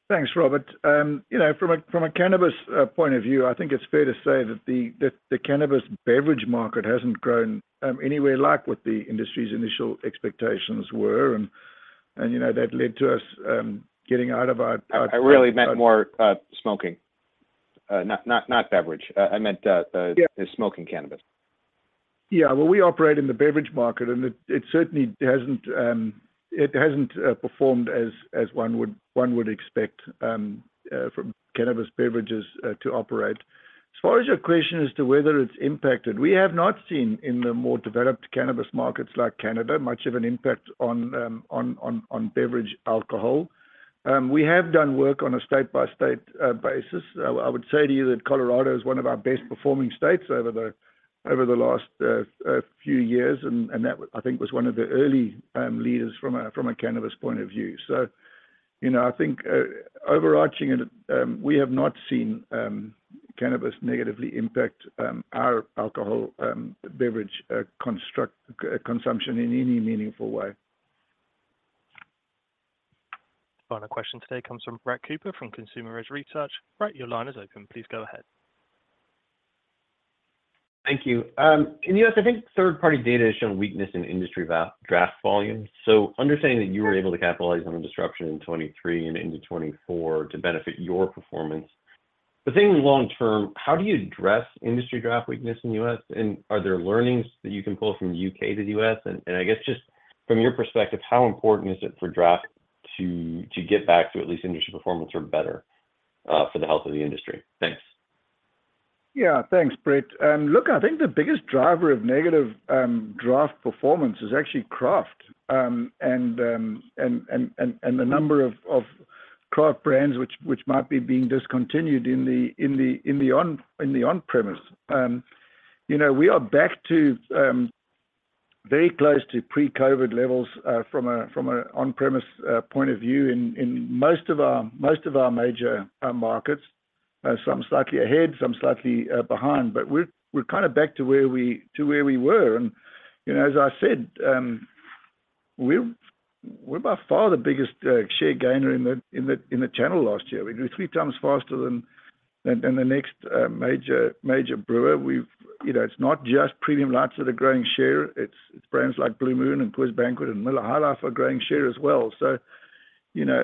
Speaker 16: Thanks.
Speaker 3: Thanks, Robert. From a cannabis point of view, I think it's fair to say that the cannabis beverage market hasn't grown anywhere like what the industry's initial expectations were. And that led to us getting out of our.
Speaker 16: I really meant more smoking, not beverage. I meant smoking cannabis.
Speaker 3: Yeah, well, we operate in the beverage market, and it certainly hasn't performed as one would expect from cannabis beverages to operate. As far as your question as to whether it's impacted, we have not seen in the more developed cannabis markets like Canada much of an impact on beverage alcohol. We have done work on a state-by-state basis. I would say to you that Colorado is one of our best-performing states over the last few years, and that, I think, was one of the early leaders from a cannabis point of view. So I think overarching, we have not seen cannabis negatively impact our alcohol beverage consumption in any meaningful way.
Speaker 1: Final question today comes from Brett Cooper from Consumer Edge Research. Brett, your line is open. Please go ahead.
Speaker 17: Thank you. In the U.S., I think third-party data has shown weakness in industry draft volumes. Understanding that you were able to capitalize on the disruption in 2023 and into 2024 to benefit your performance. Thinking long-term, how do you address industry draft weakness in the U.S.? Are there learnings that you can pull from the U.K. to the U.S.? I guess just from your perspective, how important is it for draft to get back to at least industry performance or better for the health of the industry? Thanks.
Speaker 3: Yeah, thanks, Brett. Look, I think the biggest driver of negative draft performance is actually craft and the number of craft brands which might be being discontinued in the on-premise. We are back to very close to pre-COVID levels from an on-premise point of view in most of our major markets, some slightly ahead, some slightly behind. But we're kind of back to where we were. And as I said, we're by far the biggest share gainer in the channel last year. We grew three times faster than the next major brewer. It's not just premium lights that are growing share. It's brands like Blue Moon and Coors Banquet and Miller High Life that are growing share as well. So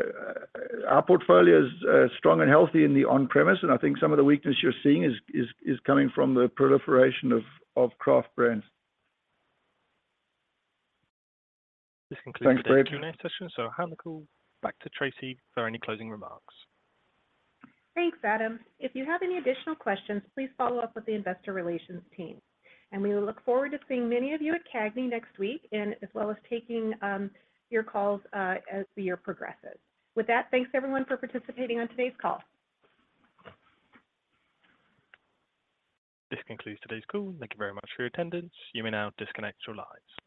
Speaker 3: our portfolio is strong and healthy in the on-premise. And I think some of the weakness you're seeing is coming from the proliferation of craft brands.
Speaker 1: This concludes our Q&A session. So hand the call, back to Traci for any closing remarks.
Speaker 2: Thanks, Adam. If you have any additional questions, please follow up with the investor relations team. We will look forward to seeing many of you at CAGNY next week as well as taking your calls as the year progresses. With that, thanks, everyone, for participating on today's call.
Speaker 1: This concludes today's call. Thank you very much for your attendance. You may now disconnect your lines.